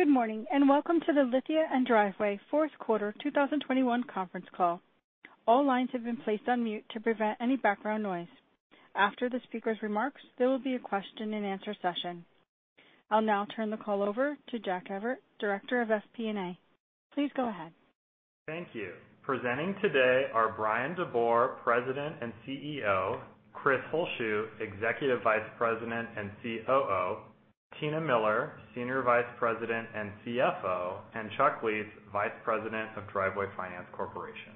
Good morning, and welcome to the Lithia & Driveway fourth quarter 2021 conference call. All lines have been placed on mute to prevent any background noise. After the speaker's remarks, there will be a question-and-answer session. I'll now turn the call over to Jack Evert, Director of FP&A. Please go ahead. Thank you. Presenting today are Bryan DeBoer, President and CEO, Chris Holzshu, Executive Vice President and COO, Tina Miller, Senior Vice President and CFO, and Chuck Lietz, Vice President of Driveway Finance Corporation.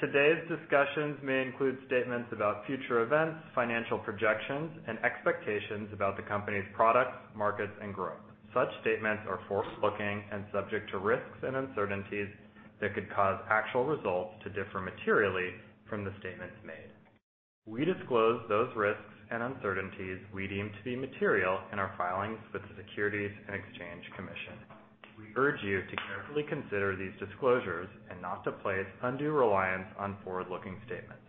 Today's discussions may include statements about future events, financial projections, and expectations about the company's products, markets, and growth. Such statements are forward-looking and subject to risks and uncertainties that could cause actual results to differ materially from the statements made. We disclose those risks and uncertainties we deem to be material in our filings with the Securities and Exchange Commission. We urge you to carefully consider these disclosures and not to place undue reliance on forward-looking statements.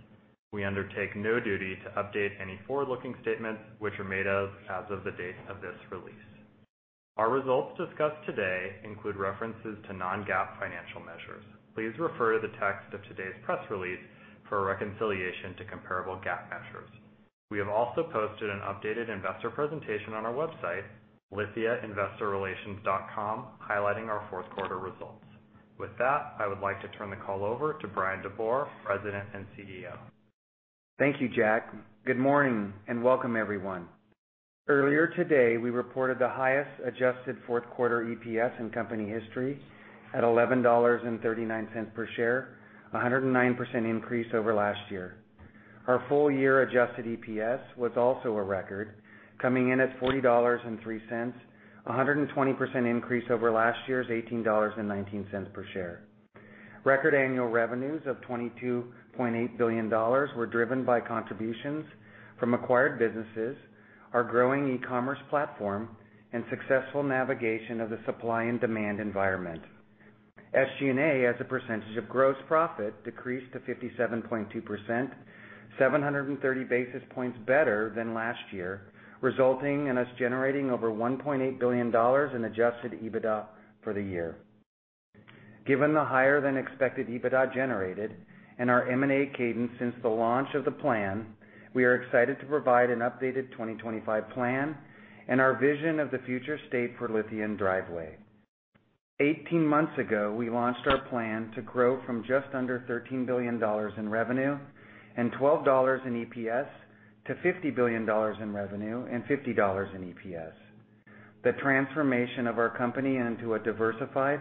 We undertake no duty to update any forward-looking statements which are made as of the date of this release. Our results discussed today include references to non-GAAP financial measures. Please refer to the text of today's press release for a reconciliation to comparable GAAP measures. We have also posted an updated investor presentation on our website, lithiainvestorrelations.com, highlighting our fourth quarter results. With that, I would like to turn the call over to Bryan DeBoer, President and CEO. Thank you, Jack. Good morning, and welcome everyone. Earlier today, we reported the highest adjusted fourth quarter EPS in company history at $11.39 per share, 109% increase over last year. Our full year adjusted EPS was also a record, coming in at $40.03, 120% increase over last year's $18.19 per share. Record annual revenues of $22.8 billion were driven by contributions from acquired businesses, our growing e-commerce platform, and successful navigation of the supply and demand environment. SG&A, as a percentage of gross profit, decreased to 57.2%, 730 basis points better than last year, resulting in us generating over $1.8 billion in adjusted EBITDA for the year. Given the higher-than-expected EBITDA generated and our M&A cadence since the launch of the plan, we are excited to provide an updated 2025 plan and our vision of the future state for Lithia & Driveway. 18 months ago, we launched our plan to grow from just under $13 billion in revenue and $12 in EPS to $50 billion in revenue and $50 in EPS. The transformation of our company into a diversified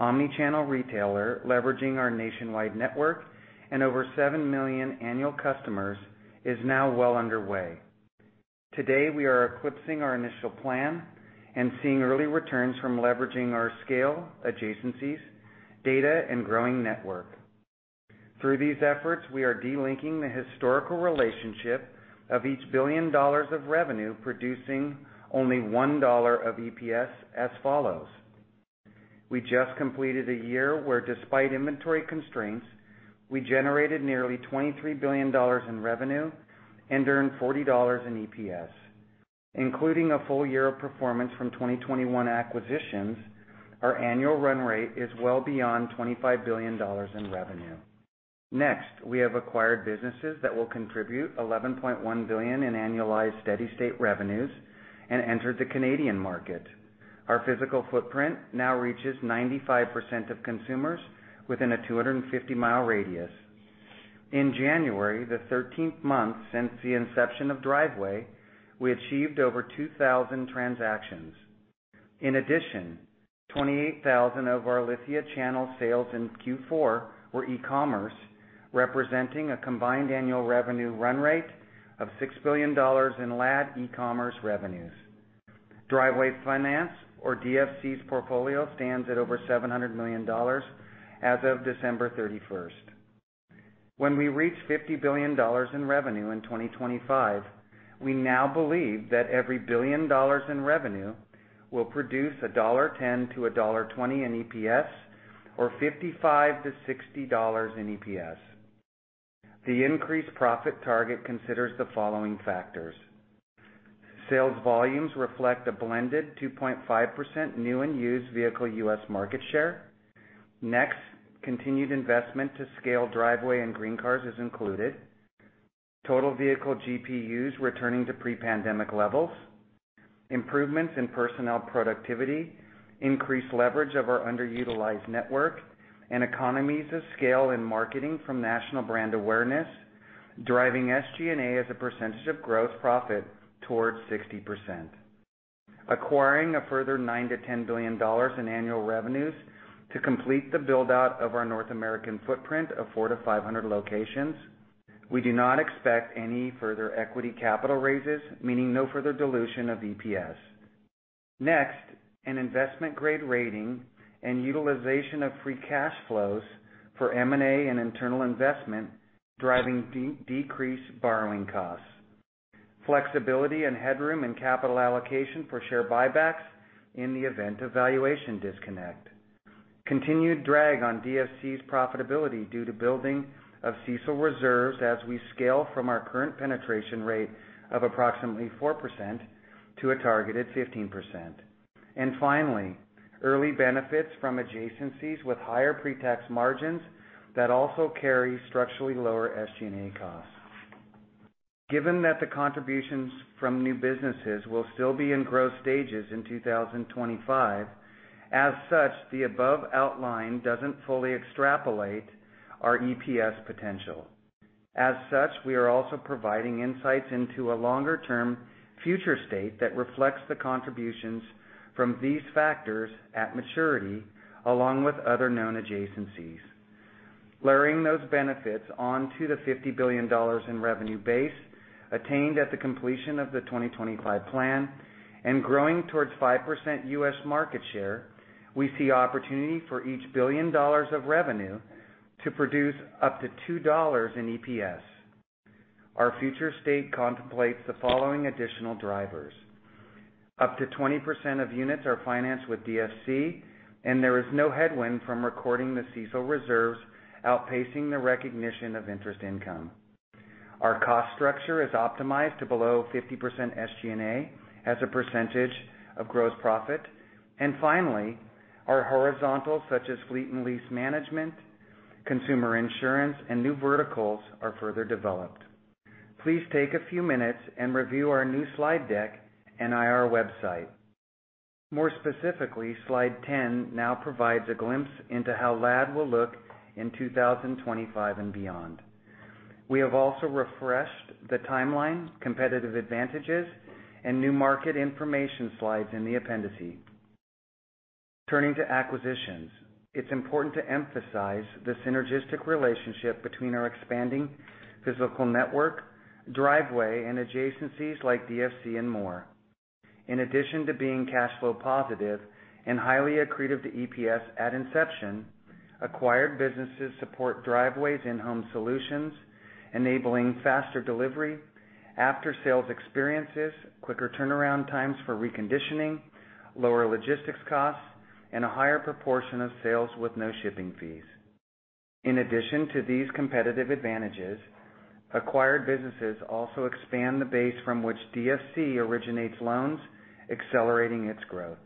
omnichannel retailer, leveraging our nationwide network and over 7 million annual customers, is now well underway. Today, we are eclipsing our initial plan and seeing early returns from leveraging our scale, adjacencies, data, and growing network. Through these efforts, we are de-linking the historical relationship of each $1 billion of revenue, producing only $1 of EPS as follows. We just completed a year where, despite inventory constraints, we generated nearly $23 billion in revenue and earned $40 in EPS. Including a full year of performance from 2021 acquisitions, our annual run rate is well beyond $25 billion in revenue. Next, we have acquired businesses that will contribute $11.1 billion in annualized steady-state revenues and entered the Canadian market. Our physical footprint now reaches 95% of consumers within a 250-mile radius. In January, the 13th month since the inception of Driveway, we achieved over 2,000 transactions. In addition, 28,000 of our Lithia channel sales in Q4 were e-commerce, representing a combined annual revenue run rate of $6 billion in LAD e-commerce revenues. Driveway Finance, or DFC's portfolio, stands at over $700 million as of December 31. When we reach $50 billion in revenue in 2025, we now believe that every $1 billion in revenue will produce $1.10-$1.20 in EPS, or $55-$60 in EPS. The increased profit target considers the following factors: Sales volumes reflect a blended 2.5% new and used vehicle U.S. market share. Next, continued investment to scale Driveway and GreenCars is included. Total vehicle GPUs returning to pre-pandemic levels. Improvements in personnel productivity. Increased leverage of our underutilized network. Economies of scale in marketing from national brand awareness, driving SG&A as a percentage of gross profit towards 60%. Acquiring a further $9-$10 billion in annual revenues to complete the build-out of our North American footprint of 400-500 locations. We do not expect any further equity capital raises, meaning no further dilution of EPS. Next, an investment-grade rating and utilization of free cash flows for M&A and internal investment, driving decreased borrowing costs. Flexibility and headroom in capital allocation for share buybacks in the event of valuation disconnect. Continued drag on DFC's profitability due to building of CECL reserves as we scale from our current penetration rate of approximately 4% to a targeted 15%. Finally, early benefits from adjacencies with higher pre-tax margins that also carry structurally lower SG&A costs. Given that the contributions from new businesses will still be in growth stages in 2025, as such, the above outline doesn't fully extrapolate our EPS potential. As such, we are also providing insights into a longer-term future state that reflects the contributions from these factors at maturity, along with other known adjacencies. Layering those benefits onto the $50 billion in revenue base attained at the completion of the 2025 plan and growing towards 5% U.S. market share, we see opportunity for each $1 billion of revenue to produce up to $2 in EPS. Our future state contemplates the following additional drivers. Up to 20% of units are financed with DFC, and there is no headwind from recording the CECL reserves outpacing the recognition of interest income. Our cost structure is optimized to below 50% SG&A as a percentage of gross profit. Finally, our horizontals such as fleet and lease management, consumer insurance, and new verticals are further developed. Please take a few minutes and review our new slide deck and IR website. More specifically, slide 10 now provides a glimpse into how LAD will look in 2025 and beyond. We have also refreshed the timeline, competitive advantages, and new market information slides in the appendices. Turning to acquisitions, it's important to emphasize the synergistic relationship between our expanding physical network, Driveway, and adjacencies like DFC and more. In addition to being cash flow positive and highly accretive to EPS at inception, acquired businesses support Driveway's in-home solutions, enabling faster delivery, after-sales experiences, quicker turnaround times for reconditioning, lower logistics costs, and a higher proportion of sales with no shipping fees. In addition to these competitive advantages, acquired businesses also expand the base from which DFC originates loans, accelerating its growth.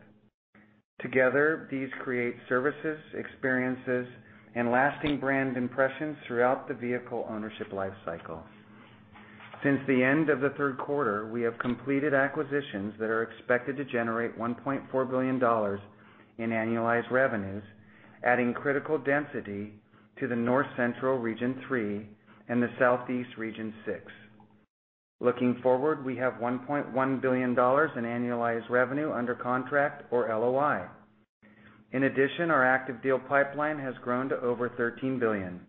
Together, these create services, experiences, and lasting brand impressions throughout the vehicle ownership life cycle. Since the end of the third quarter, we have completed acquisitions that are expected to generate $1.4 billion in annualized revenues, adding critical density to the North Central Region 3 and the Southeast Region 6. Looking forward, we have $1.1 billion in annualized revenue under contract or LOI. In addition, our active deal pipeline has grown to over $13 billion.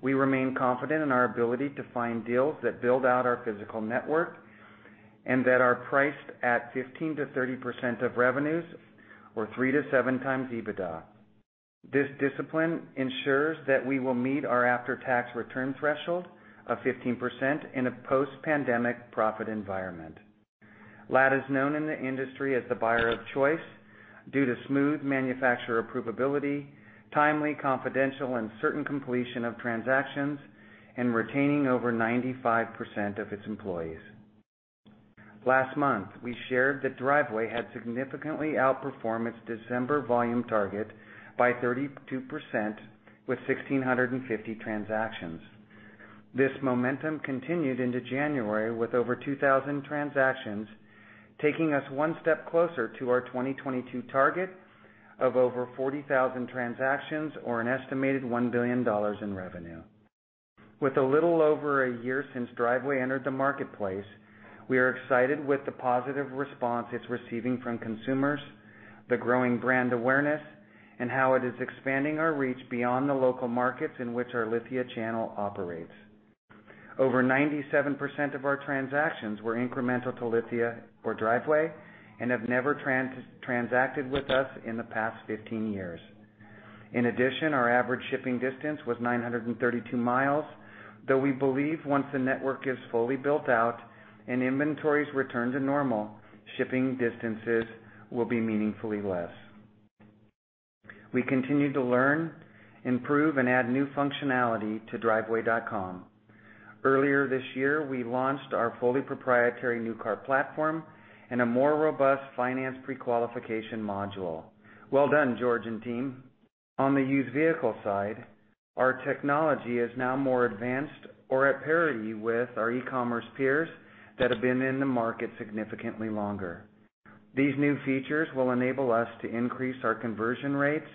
We remain confident in our ability to find deals that build out our physical network and that are priced at 15%-30% of revenues or 3x-7x EBITDA. This discipline ensures that we will meet our after-tax return threshold of 15% in a post-pandemic profit environment. LAD is known in the industry as the buyer of choice due to smooth manufacturer approvability, timely, confidential, and certain completion of transactions, and retaining over 95% of its employees. Last month, we shared that Driveway had significantly outperformed its December volume target by 32% with 1,650 transactions. This momentum continued into January with over 2,000 transactions, taking us one step closer to our 2022 target of over 40,000 transactions or an estimated $1 billion in revenue. With a little over a year since Driveway entered the marketplace, we are excited with the positive response it's receiving from consumers, the growing brand awareness, and how it is expanding our reach beyond the local markets in which our Lithia channel operates. Over 97% of our transactions were incremental to Lithia or Driveway and have never transacted with us in the past 15 years. In addition, our average shipping distance was 932 miles, though we believe once the network is fully built out and inventories return to normal, shipping distances will be meaningfully less. We continue to learn, improve, and add new functionality to driveway.com. Earlier this year, we launched our fully proprietary new car platform and a more robust finance prequalification module. Well done, George and team. On the used vehicle side, our technology is now more advanced or at parity with our e-commerce peers that have been in the market significantly longer. These new features will enable us to increase our conversion rates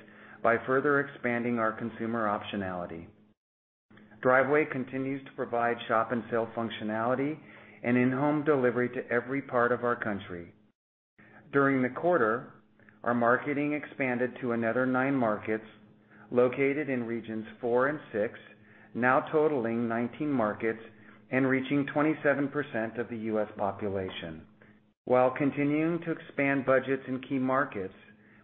by further expanding our consumer optionality. Driveway continues to provide shop and sale functionality and in-home delivery to every part of our country. During the quarter, our marketing expanded to another nine markets located in Regions 4 and 6, now totaling 19 markets and reaching 27% of the U.S. population. While continuing to expand budgets in key markets,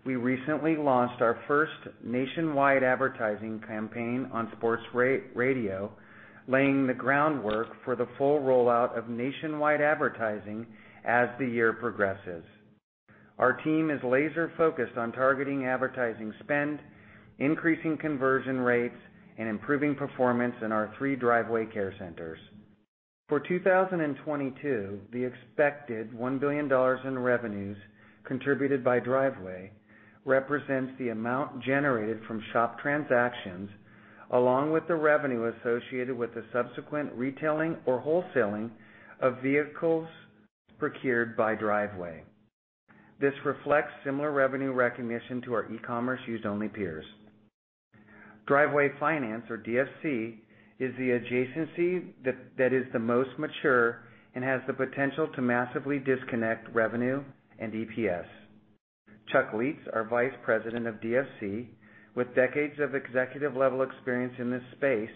we recently launched our first nationwide advertising campaign on sports radio, laying the groundwork for the full rollout of nationwide advertising as the year progresses. Our team is laser focused on targeting advertising spend, increasing conversion rates, and improving performance in our three Driveway care centers. For 2022, the expected $1 billion in revenues contributed by Driveway represents the amount generated from shop transactions along with the revenue associated with the subsequent retailing or wholesaling of vehicles procured by Driveway. This reflects similar revenue recognition to our e-commerce used-only peers. Driveway Finance, or DFC, is the adjacency that is the most mature and has the potential to massively disconnect revenue and EPS. Chuck Lietz, our Vice President of DFC, with decades of executive-level experience in this space,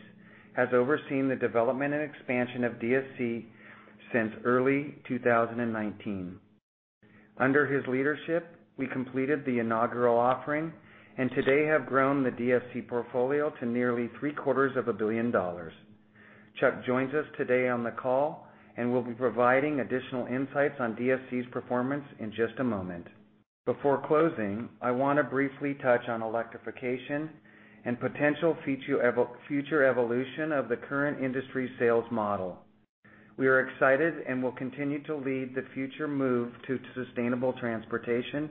has overseen the development and expansion of DFC since early 2019. Under his leadership, we completed the inaugural offering and today have grown the DFC portfolio to nearly 3/4 of $1 billion. Chuck joins us today on the call and will be providing additional insights on DFC's performance in just a moment. Before closing, I want to briefly touch on electrification and potential future evolution of the current industry sales model. We are excited and will continue to lead the future move to sustainable transportation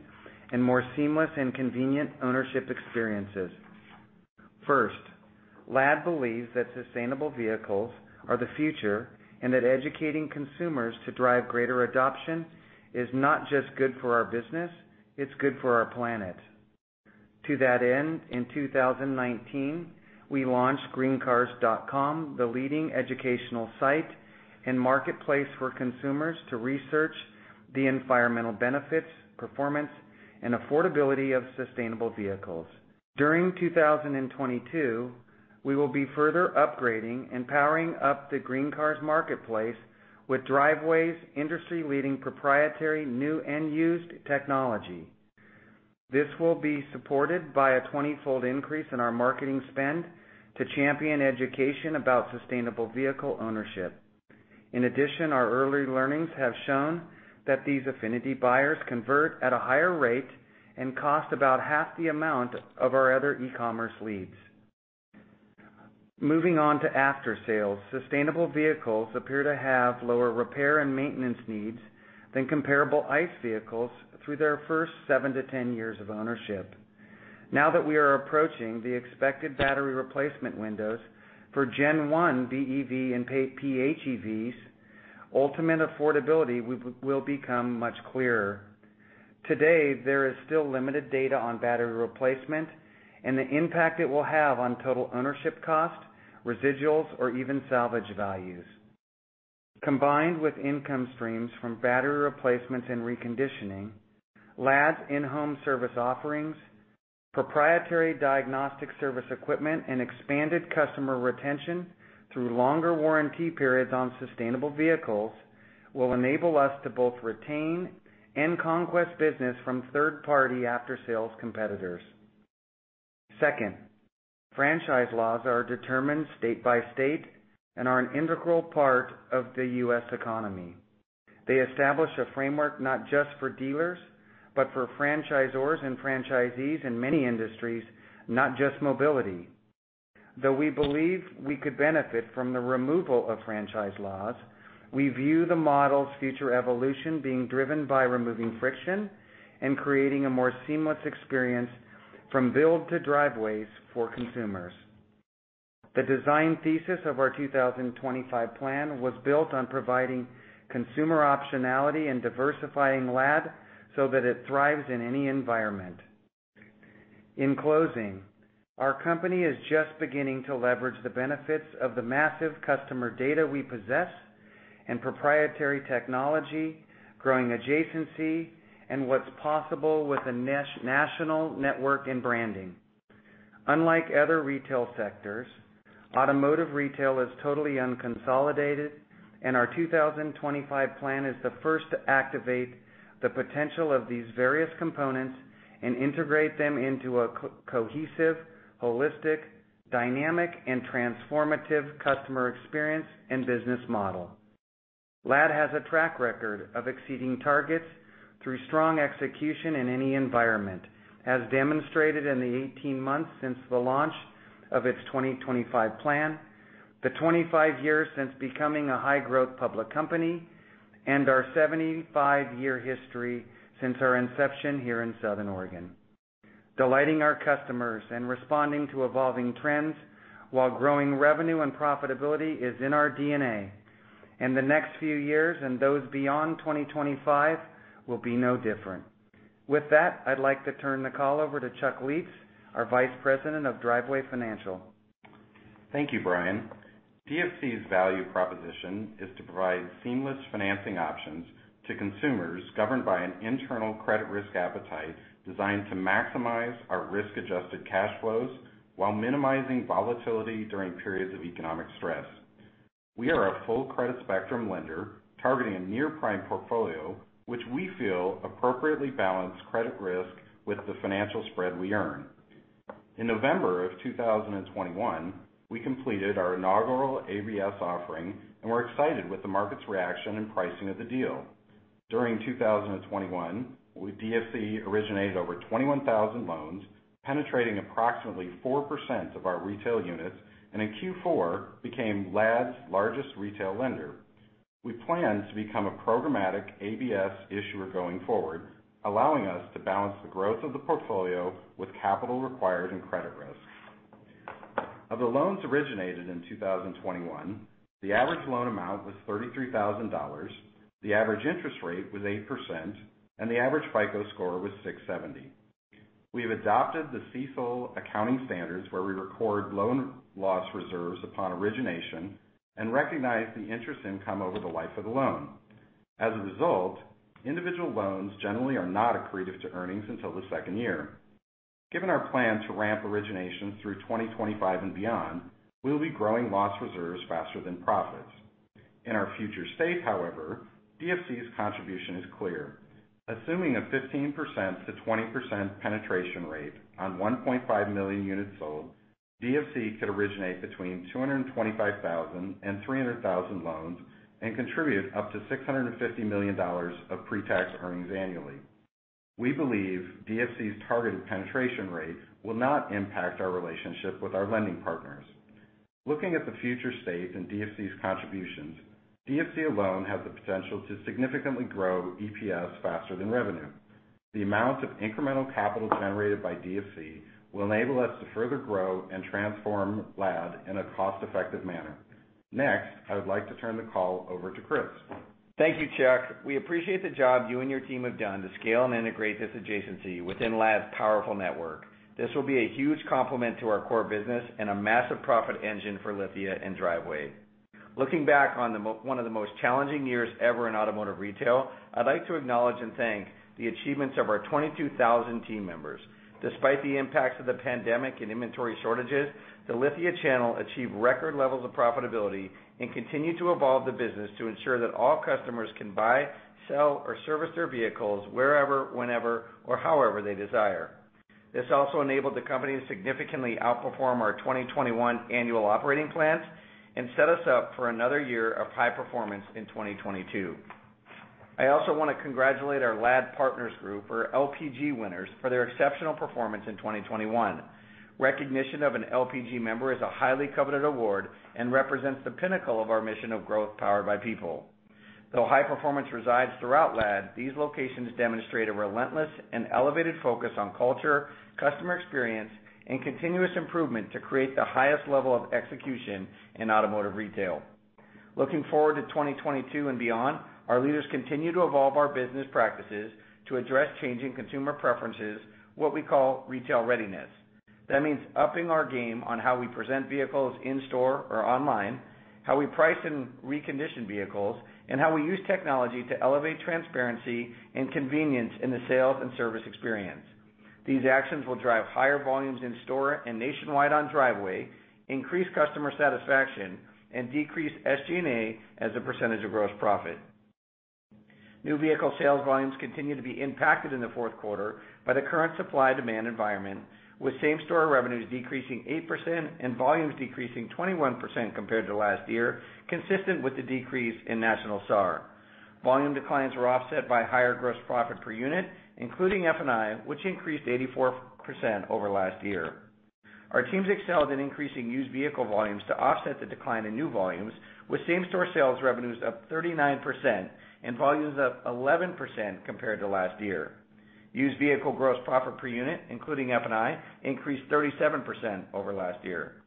and more seamless and convenient ownership experiences. First, LAD believe that sustainable vehicles are the future and that educating consumers to drive greater adoption is not just good for our business, it's good for our planet. To that end, in 2019, we launched greencars.com, the leading educational site and marketplace for consumers to research the environmental benefits, performance, and affordability of sustainable vehicles. During 2022, we will be further upgrading and powering up the GreenCars marketplace with Driveway's industry-leading proprietary new and used technology. This will be supported by a 20-fold increase in our marketing spend to champion education about sustainable vehicle ownership. In addition, our early learnings have shown that these affinity buyers convert at a higher rate and cost about half the amount of our other e-commerce leads. Moving on to after-sales. Sustainable vehicles appear to have lower repair and maintenance needs than comparable ICE vehicles through their first seven to 10 years of ownership. Now that we are approaching the expected battery replacement windows for Gen 1 BEV and PHEVs, ultimate affordability will become much clearer. Today, there is still limited data on battery replacement and the impact it will have on total ownership cost, residuals, or even salvage values. Combined with income streams from battery replacements and reconditioning, LAD's in-home service offerings, proprietary diagnostic service equipment, and expanded customer retention through longer warranty periods on sustainable vehicles will enable us to both retain and conquest business from third-party after-sales competitors. Second, franchise laws are determined state by state and are an integral part of the U.S. economy. They establish a framework not just for dealers, but for franchisors and franchisees in many industries, not just mobility. Though we believe we could benefit from the removal of franchise laws, we view the model's future evolution being driven by removing friction and creating a more seamless experience from build to Driveway for consumers. The design thesis of our 2025 plan was built on providing consumer optionality and diversifying LAD so that it thrives in any environment. In closing, our company is just beginning to leverage the benefits of the massive customer data we possess and proprietary technology, growing adjacency, and what's possible with a national network and branding. Unlike other retail sectors, automotive retail is totally unconsolidated, and our 2025 plan is the first to activate the potential of these various components and integrate them into a cohesive, holistic, dynamic, and transformative customer experience and business model. LAD has a track record of exceeding targets through strong execution in any environment, as demonstrated in the 18 months since the launch of its 2025 plan, the 25 years since becoming a high-growth public company, and our 75-year history since our inception here in Southern Oregon. Delighting our customers and responding to evolving trends while growing revenue and profitability is in our DNA. The next few years, and those beyond 2025, will be no different. With that, I'd like to turn the call over to Chuck Lietz, our Vice President of Driveway Financial. Thank you, Bryan. DFC's value proposition is to provide seamless financing options to consumers governed by an internal credit risk appetite designed to maximize our risk-adjusted cash flows while minimizing volatility during periods of economic stress. We are a full credit spectrum lender targeting a near-prime portfolio, which we feel appropriately balance credit risk with the financial spread we earn. In November of 2021, we completed our inaugural ABS offering, and we're excited with the market's reaction and pricing of the deal. During 2021, DFC originated over 21,000 loans, penetrating approximately 4% of our retail units, and in Q4, became LAD's largest retail lender. We plan to become a programmatic ABS issuer going forward, allowing us to balance the growth of the portfolio with capital required and credit risk. Of the loans originated in 2021, the average loan amount was $33,000, the average interest rate was 8%, and the average FICO score was 670. We have adopted the CECL accounting standards, where we record loan loss reserves upon origination and recognize the interest income over the life of the loan. As a result, individual loans generally are not accretive to earnings until the second year. Given our plan to ramp origination through 2025 and beyond, we'll be growing loss reserves faster than profits. In our future state, however, DFC's contribution is clear. Assuming a 15%-20% penetration rate on 1.5 million units sold, DFC could originate between 225,000 and 300,000 loans and contribute up to $650 million of pre-tax earnings annually. We believe DFC's targeted penetration rates will not impact our relationship with our lending partners. Looking at the future state in DFC's contributions, DFC alone has the potential to significantly grow EPS faster than revenue. The amount of incremental capital generated by DFC will enable us to further grow and transform LAD in a cost-effective manner. Next, I would like to turn the call over to Chris. Thank you, Chuck. We appreciate the job you and your team have done to scale and integrate this adjacency within LAD's powerful network. This will be a huge complement to our core business and a massive profit engine for Lithia & Driveway. Looking back on one of the most challenging years ever in automotive retail, I'd like to acknowledge and thank the achievements of our 22,000 team members. Despite the impacts of the pandemic and inventory shortages, the Lithia channel achieved record levels of profitability and continued to evolve the business to ensure that all customers can buy, sell, or service their vehicles wherever, whenever, or however they desire. This also enabled the company to significantly outperform our 2021 annual operating plans and set us up for another year of high performance in 2022. I also want to congratulate our LAD Partners Group or LPG winners for their exceptional performance in 2021. Recognition of an LPG member is a highly coveted award and represents the pinnacle of our mission of growth powered by people. Though high performance resides throughout LAD, these locations demonstrate a relentless and elevated focus on culture, customer experience, and continuous improvement to create the highest level of execution in automotive retail. Looking forward to 2022 and beyond, our leaders continue to evolve our business practices to address changing consumer preferences, what we call retail readiness. That means upping our game on how we present vehicles in-store or online, how we price and recondition vehicles, and how we use technology to elevate transparency and convenience in the sales and service experience. These actions will drive higher volumes in store and nationwide on Driveway, increase customer satisfaction, and decrease SG&A as a percentage of gross profit. New vehicle sales volumes continue to be impacted in the fourth quarter by the current supply-demand environment, with same-store revenues decreasing 8% and volumes decreasing 21% compared to last year, consistent with the decrease in national SAR. Volume declines were offset by higher gross profit per unit, including F&I, which increased 84% over last year. Our teams excelled in increasing used vehicle volumes to offset the decline in new volumes, with same-store sales revenues up 39% and volumes up 11% compared to last year. Used vehicle gross profit per unit, including F&I, increased 37% over last year.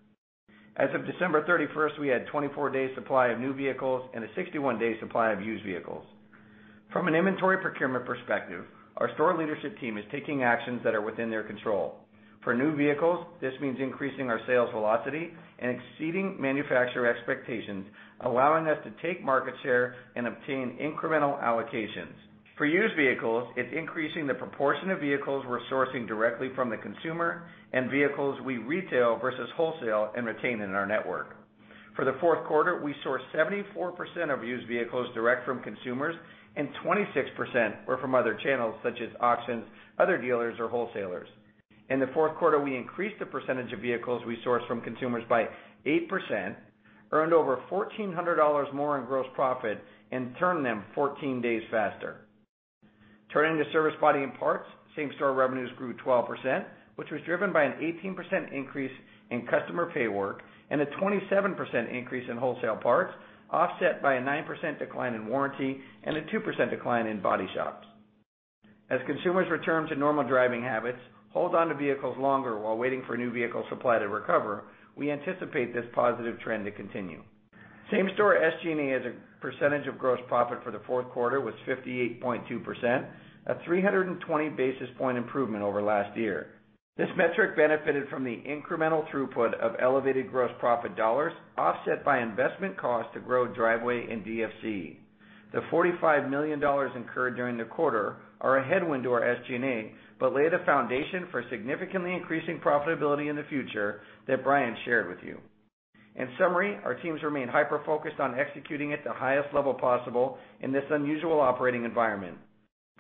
As of December 31st, we had 24 days supply of new vehicles and a 61 days supply of used vehicles. From an inventory procurement perspective, our store leadership team is taking actions that are within their control. For new vehicles, this means increasing our sales velocity and exceeding manufacturer expectations, allowing us to take market share and obtain incremental allocations. For used vehicles, it's increasing the proportion of vehicles we're sourcing directly from the consumer and vehicles we retail versus wholesale and retain in our network. For the fourth quarter, we sourced 74% of used vehicles direct from consumers and 26% were from other channels such as auctions, other dealers, or wholesalers. In the fourth quarter, we increased the percentage of vehicles we sourced from consumers by 8%, earned over $1,400 more in gross profit, and turned them 14 days faster. Turning to service, body and parts, same-store revenues grew 12%, which was driven by an 18% increase in customer pay work and a 27% increase in wholesale parts, offset by a 9% decline in warranty and a 2% decline in body shops. As consumers return to normal driving habits, hold onto vehicles longer while waiting for new vehicle supply to recover, we anticipate this positive trend to continue. Same-store SG&A as a percentage of gross profit for the fourth quarter was 58.2%, a 320 basis point improvement over last year. This metric benefited from the incremental throughput of elevated gross profit dollars, offset by investment costs to grow Driveway and DFC. The $45 million incurred during the quarter are a headwind to our SG&A, but lay the foundation for significantly increasing profitability in the future that Bryan shared with you. In summary, our teams remain hyper-focused on executing at the highest level possible in this unusual operating environment.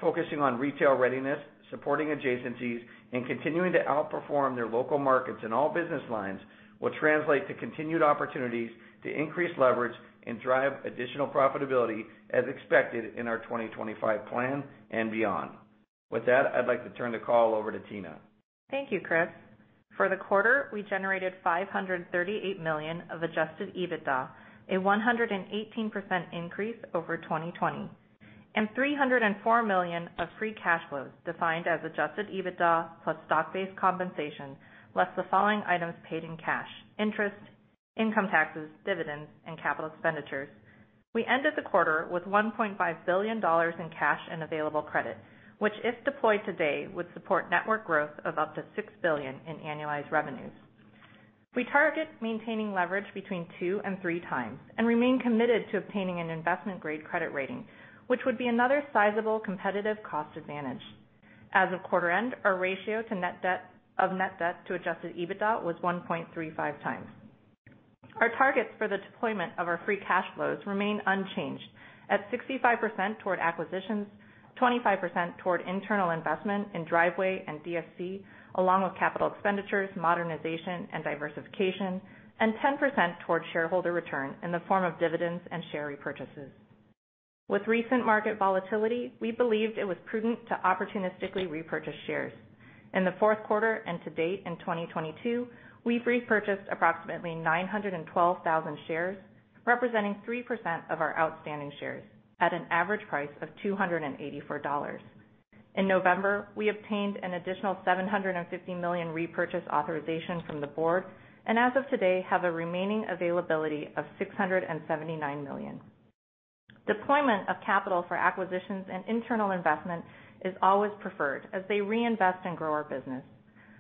Focusing on retail readiness, supporting adjacencies, and continuing to outperform their local markets in all business lines will translate to continued opportunities to increase leverage and drive additional profitability as expected in our 2025 plan and beyond. With that, I'd like to turn the call over to Tina. Thank you, Chris. For the quarter, we generated $538 million of adjusted EBITDA, a 118% increase over 2020, and $304 million of free cash flows, defined as adjusted EBITDA plus stock-based compensation, less the following items paid in cash: interest, income taxes, dividends, and capital expenditures. We ended the quarter with $1.5 billion in cash and available credit, which, if deployed today, would support network growth of up to $6 billion in annualized revenues. We target maintaining leverage between 2x and 3x and remain committed to obtaining an investment-grade credit rating, which would be another sizable competitive cost advantage. As of quarter end, our ratio of net debt to adjusted EBITDA was 1.35x Our targets for the deployment of our free cash flows remain unchanged at 65% toward acquisitions, 25% toward internal investment in Driveway and DFC, along with capital expenditures, modernization, and diversification, and 10% towards shareholder return in the form of dividends and share repurchases. With recent market volatility, we believed it was prudent to opportunistically repurchase shares. In the fourth quarter and to date in 2022, we've repurchased approximately 912,000 shares, representing 3% of our outstanding shares at an average price of $284. In November, we obtained an additional $750 million repurchase authorization from the board, and as of today, have a remaining availability of $679 million. Deployment of capital for acquisitions and internal investment is always preferred as they reinvest and grow our business.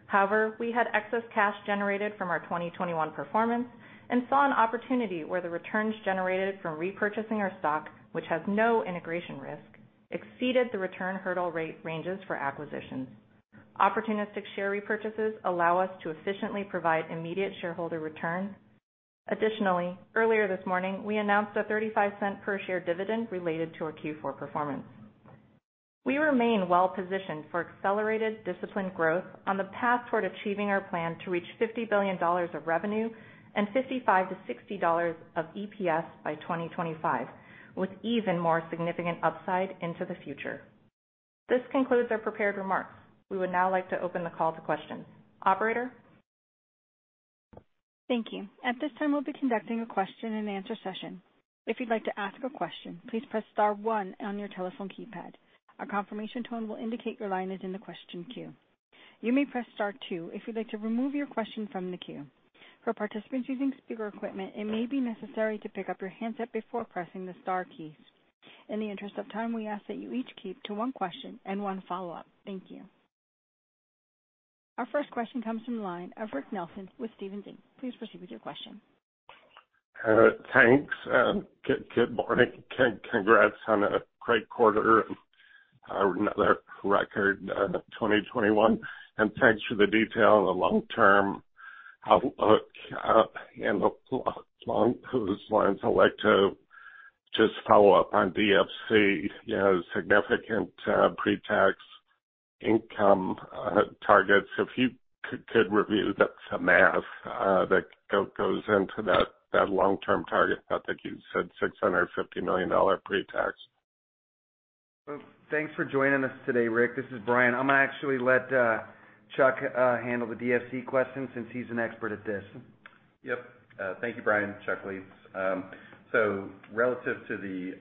However, we had excess cash generated from our 2021 performance and saw an opportunity where the returns generated from repurchasing our stock, which has no integration risk, exceeded the return hurdle rate ranges for acquisitions. Opportunistic share repurchases allow us to efficiently provide immediate shareholder returns. Additionally, earlier this morning, we announced a $0.35 per share dividend related to our Q4 performance. We remain well-positioned for accelerated disciplined growth on the path toward achieving our plan to reach $50 billion of revenue and $55-$60 of EPS by 2025, with even more significant upside into the future. This concludes our prepared remarks. We would now like to open the call to questions. Operator? Thank you. At this time, we'll be conducting a question-and-answer session. If you'd like to ask a question, please press star one on your telephone keypad. A confirmation tone will indicate your line is in the question queue. You may press star two if you'd like to remove your question from the queue. For participants using speaker equipment, it may be necessary to pick up your handset before pressing the star key. In the interest of time, we ask that you each keep to one question and one follow-up. Thank you. Our first question comes from the line of Rick Nelson with Stephens Inc. Please proceed with your question. Thanks. Good morning. Congrats on a great quarter and another record 2021, and thanks for the detail on the long-term outlook. Along those lines, I'd like to just follow up on DFC. You had significant pretax income targets. If you could review the math that goes into that long-term target that I think you said $650 million pretax. Thanks for joining us today, Rick. This is Bryan. I'm gonna actually let Chuck handle the DFC question since he's an expert at this. Yep. Thank you, Bryan. Chuck Lietz. Relative to the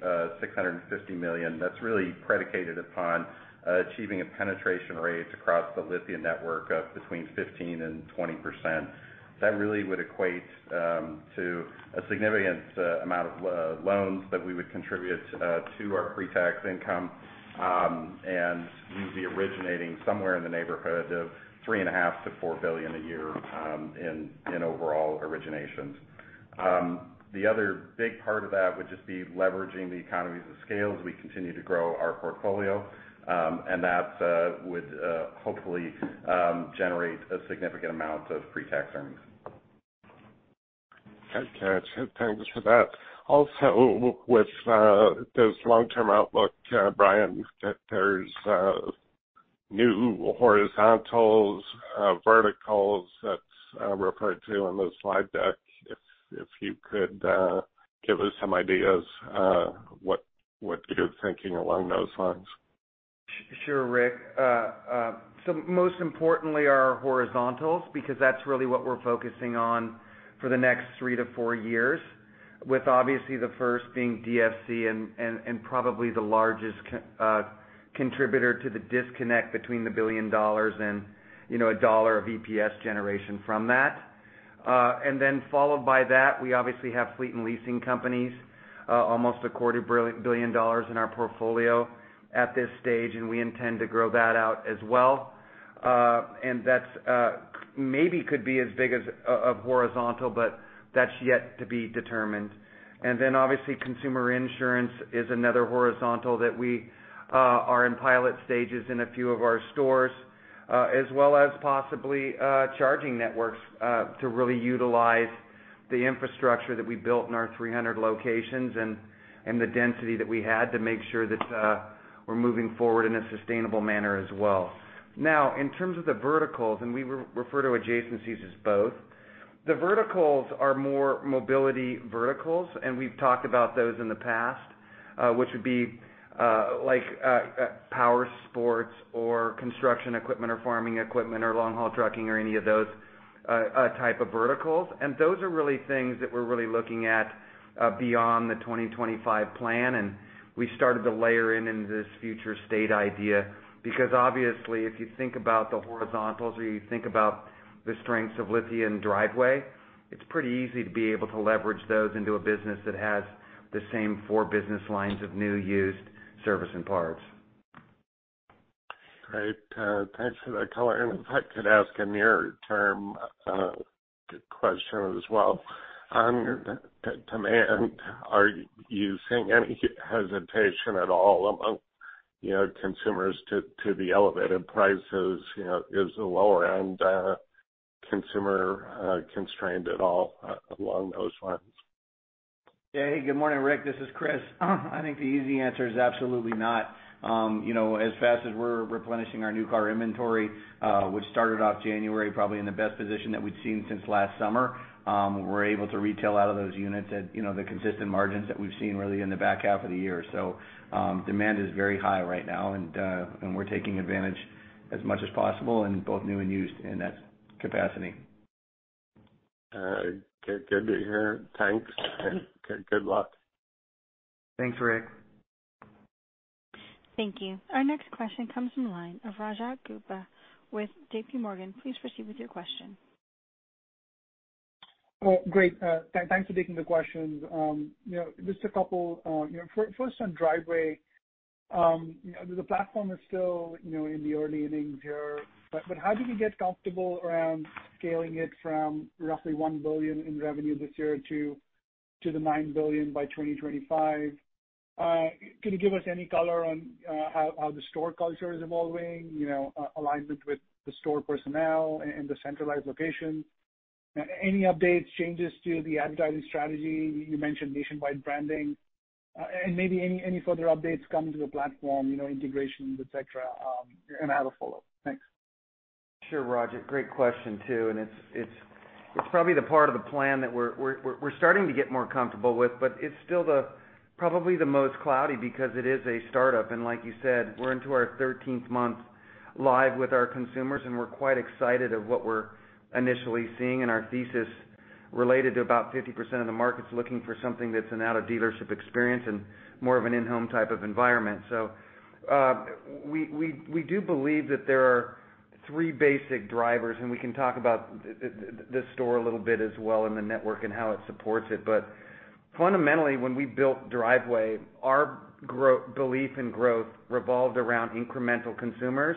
$650 million, that's really predicated upon achieving a penetration rate across the Lithia network of between 15% and 20%. That really would equate to a significant amount of loans that we would contribute to our pretax income, and we'd be originating somewhere in the neighborhood of $3.5 billion-$4 billion a year in overall originations. The other big part of that would just be leveraging the economies of scale as we continue to grow our portfolio, and that would hopefully generate a significant amount of pretax earnings. Okay. Thanks for that. Also with this long-term outlook, Bryan, there's new horizontals, verticals that's referred to in the slide deck. If you could give us some ideas, what you're thinking along those lines. Sure, Rick. Most importantly are our horizontals, because that's really what we're focusing on for the next three to four years, with obviously the first being DFC and probably the largest contributor to the disconnect between $1 billion and, you know, $1 of EPS generation from that. Then followed by that, we obviously have fleet and leasing companies, almost a quarter billion dollars in our portfolio at this stage, and we intend to grow that out as well. That's maybe could be as big as a horizontal, but that's yet to be determined. Obviously, consumer insurance is another horizontal that we are in pilot stages in a few of our stores. As well as possibly charging networks to really utilize the infrastructure that we built in our 300 locations and the density that we had to make sure that we're moving forward in a sustainable manner as well. Now, in terms of the verticals, we refer to adjacencies as both. The verticals are more mobility verticals, and we've talked about those in the past, which would be like power sports or construction equipment or farming equipment or long-haul trucking or any of those type of verticals. Those are really things that we're really looking at beyond the 2025 plan. We started to layer in into this future state idea because obviously, if you think about the horizontals or you think about the strengths of Lithia and Driveway, it's pretty easy to be able to leverage those into a business that has the same four business lines of new, used, service and parts. Great. Thanks for that color. If I could ask a near-term question as well. On your demand, are you seeing any hesitation at all among consumers to the elevated prices? Is the lower-end consumer constrained at all along those lines? Yeah. Hey, good morning, Rick. This is Chris. I think the easy answer is absolutely not. You know, as fast as we're replenishing our new car inventory, which started off January probably in the best position that we've seen since last summer, we're able to retail out of those units at, you know, the consistent margins that we've seen really in the back half of the year. Demand is very high right now, and we're taking advantage as much as possible in both new and used in that capacity. All right. Good to hear. Thanks. Good luck. Thanks, Rick. Thank you. Our next question comes from the line of Rajat Gupta with JPMorgan. Please proceed with your question. Oh, great. Thanks for taking the questions. You know, just a couple. You know, first on Driveway. You know, the platform is still, you know, in the early innings here, but how do we get comfortable around scaling it from roughly $1 billion in revenue this year to $9 billion by 2025? Can you give us any color on how the store culture is evolving, you know, alignment with the store personnel and the centralized location? Any updates, changes to the advertising strategy? You mentioned nationwide branding. Maybe any further updates coming to the platform, you know, integrations, et cetera. I have a follow-up. Thanks. Sure, Rajat. Great question, too. It's probably the part of the plan that we're starting to get more comfortable with, but it's still probably the most cloudy because it is a startup. Like you said, we're into our thirteenth month live with our consumers, and we're quite excited about what we're initially seeing in our thesis related to about 50% of the markets looking for something that's an out-of-dealership experience and more of an in-home type of environment. We do believe that there are three basic drivers, and we can talk about this store a little bit as well and the network and how it supports it. Fundamentally, when we built Driveway, our belief in growth revolved around incremental consumers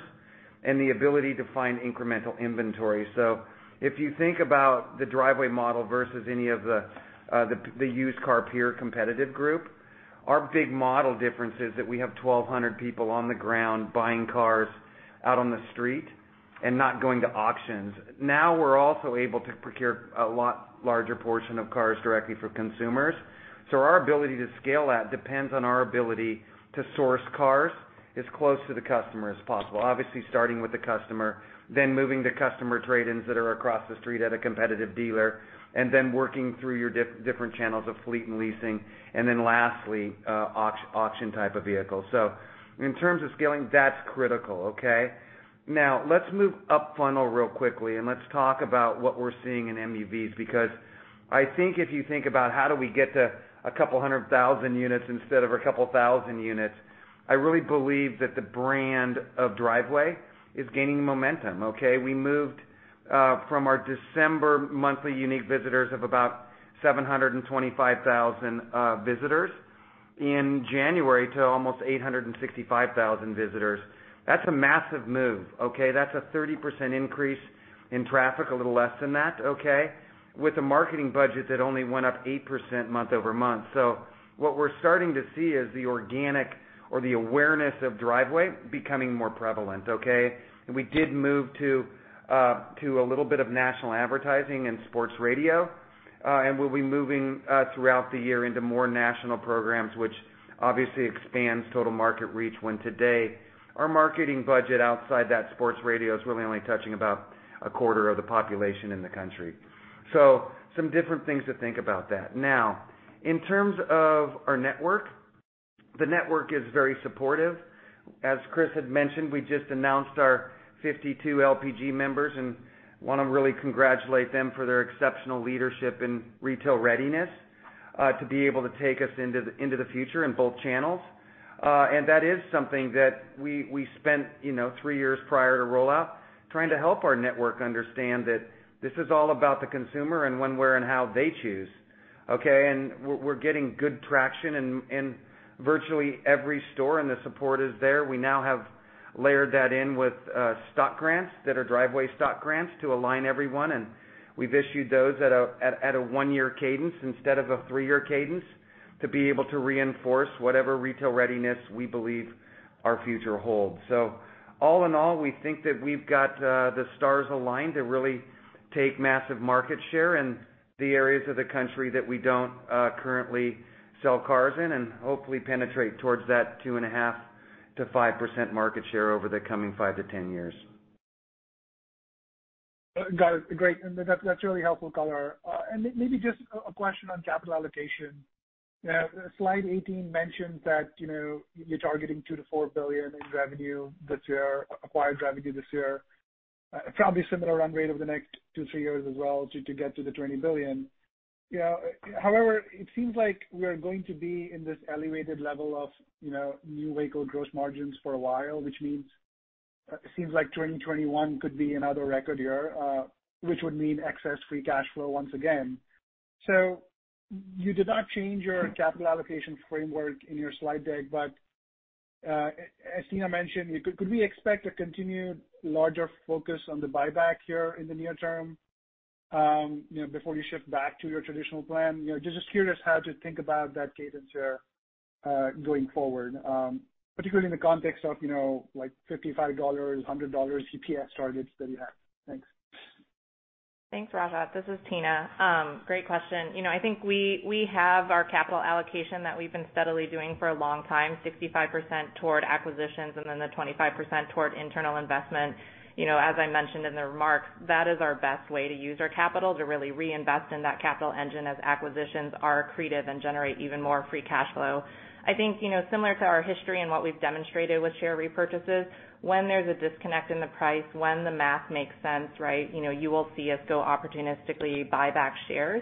and the ability to find incremental inventory. If you think about the Driveway model versus any of the used car peer competitive group, our big model difference is that we have 1,200 people on the ground buying cars out on the street and not going to auctions. Now, we're also able to procure a lot larger portion of cars directly from consumers. Our ability to scale that depends on our ability to source cars as close to the customer as possible. Obviously, starting with the customer, then moving to customer trade-ins that are across the street at a competitive dealer, and then working through your different channels of fleet and leasing, and then lastly, auction type of vehicles. In terms of scaling, that's critical, okay? Now, let's move up funnel real quickly and let's talk about what we're seeing in MUVs because I think if you think about how do we get to a couple hundred thousand units instead of a couple of thousand units, I really believe that the brand of Driveway is gaining momentum, okay? We moved from our December monthly unique visitors of about 725,000 visitors in January to almost 865,000 visitors. That's a massive move, okay? That's a 30% increase in traffic, a little less than that, okay? With the marketing budget that only went up 8% month-over-month. What we're starting to see is the organic or the awareness of Driveway becoming more prevalent, okay? We did move to a little bit of national advertising and sports radio, and we'll be moving throughout the year into more national programs which obviously expands total market reach when today our marketing budget outside that sports radio is really only touching about a quarter of the population in the country. Some different things to think about that. Now, in terms of our network, the network is very supportive. As Chris had mentioned, we just announced our 52 LPG members and wanna really congratulate them for their exceptional leadership in retail readiness, to be able to take us into the future in both channels. That is something that we spent, you know, three years prior to rollout trying to help our network understand that this is all about the consumer and when, where, and how they choose, okay? We're getting good traction in virtually every store and the support is there. We now have layered that in with stock grants that are Driveway stock grants to align everyone. We've issued those at a one-year cadence instead of a three-year cadence. To be able to reinforce whatever retail readiness we believe our future holds. All in all, we think that we've got the stars aligned to really take massive market share in the areas of the country that we don't currently sell cars in and hopefully penetrate towards that 2.5%-5% market share over the coming five to 10 years. Got it. Great. That's really helpful color. Maybe just a question on capital allocation. Slide 18 mentions that, you know, you're targeting $2 billion-$4 billion in revenue this year, acquired revenue this year. Probably similar run rate over the next two, three years as well to get to the $20 billion. You know, however, it seems like we are going to be in this elevated level of new vehicle gross margins for a while, which means it seems like 2021 could be another record year, which would mean excess free cash flow once again. You did not change your capital allocation framework in your slide deck, but as Tina mentioned, could we expect a continued larger focus on the buyback here in the near term, you know, before you shift back to your traditional plan? You know, just curious how to think about that cadence here going forward, particularly in the context of, you know, like $55, $100 EPS targets that you have. Thanks. Thanks, Rajat. This is Tina. Great question. You know, I think we have our capital allocation that we've been steadily doing for a long time, 65% toward acquisitions and then the 25% toward internal investment. You know, as I mentioned in the remarks, that is our best way to use our capital to really reinvest in that capital engine as acquisitions are accretive and generate even more free cash flow. I think, you know, similar to our history and what we've demonstrated with share repurchases, when there's a disconnect in the price, when the math makes sense, right, you know, you will see us go opportunistically buy back shares.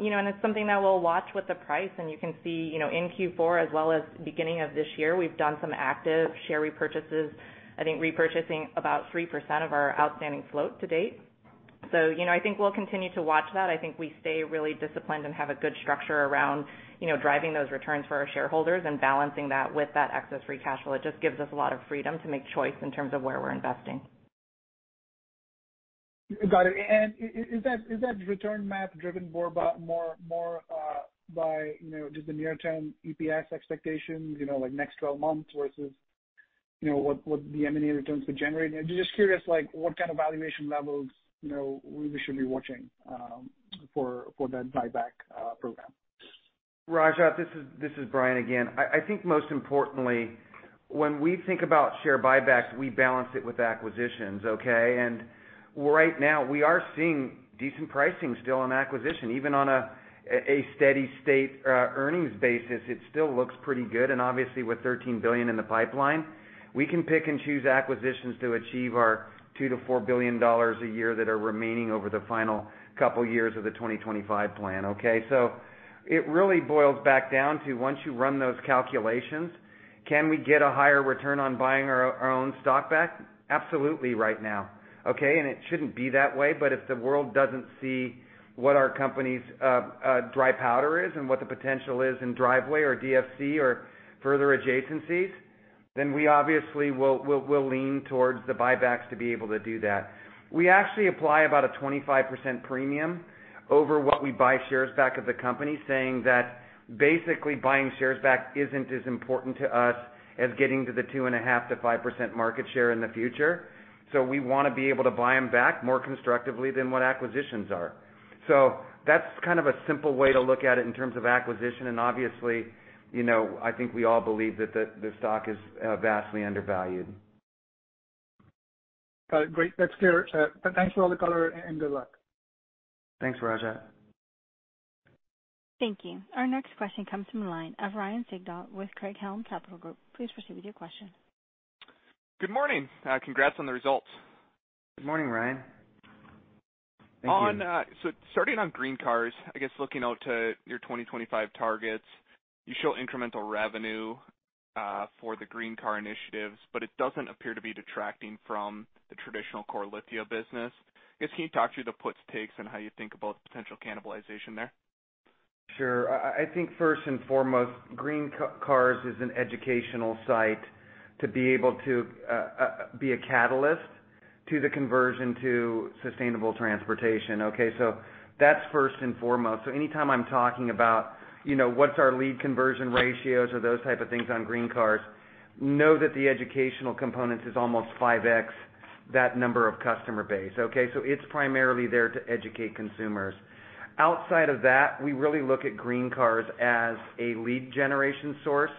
You know, it's something that we'll watch with the price, and you can see, you know, in Q4 as well as beginning of this year, we've done some active share repurchases, I think repurchasing about 3% of our outstanding float to date. You know, I think we'll continue to watch that. I think we stay really disciplined and have a good structure around, you know, driving those returns for our shareholders and balancing that with that excess free cash flow. It just gives us a lot of freedom to make choice in terms of where we're investing. Got it. Is that return map driven more by, you know, just the near term EPS expectations, you know, like next 12 months versus, you know, what the M&A returns could generate? Just curious like what kind of valuation levels, you know, we should be watching for that buyback program. Rajat, this is Bryan again. I think most importantly, when we think about share buybacks, we balance it with acquisitions, okay? Right now we are seeing decent pricing still on acquisition. Even on a steady state earnings basis, it still looks pretty good. Obviously with $13 billion in the pipeline, we can pick and choose acquisitions to achieve our $2 billion-$4 billion a year that are remaining over the final couple of years of the 2025 plan, okay? It really boils back down to once you run those calculations, can we get a higher return on buying our own stock back? Absolutely right now, okay? It shouldn't be that way, but if the world doesn't see what our company's dry powder is and what the potential is in Driveway or DFC or further adjacencies, then we obviously will lean towards the buybacks to be able to do that. We actually apply about a 25% premium over what we buy shares back of the company, saying that basically buying shares back isn't as important to us as getting to the 2.5%-5% market share in the future. We wanna be able to buy them back more constructively than what acquisitions are. That's kind of a simple way to look at it in terms of acquisition, and obviously, you know, I think we all believe that the stock is vastly undervalued. Got it. Great. That's clear. Thanks for all the color and good luck. Thanks, Rajat. Thank you. Our next question comes from the line of Ryan Sigdahl with Craig-Hallum Capital Group. Please proceed with your question. Good morning. Congrats on the results. Good morning, Ryan. Thank you. Starting on GreenCars, I guess looking out to your 2025 targets, you show incremental revenue for the GreenCars initiatives, but it doesn't appear to be detracting from the traditional core Lithia business. I guess can you talk through the puts, takes, and how you think about potential cannibalization there? Sure. I think first and foremost, GreenCars is an educational site to be able to be a catalyst to the conversion to sustainable transportation, okay? That's first and foremost. Anytime I'm talking about, you know, what's our lead conversion ratios or those type of things on GreenCars, know that the educational component is almost 5x that number of customer base, okay? It's primarily there to educate consumers. Outside of that, we really look at GreenCars as a lead generation source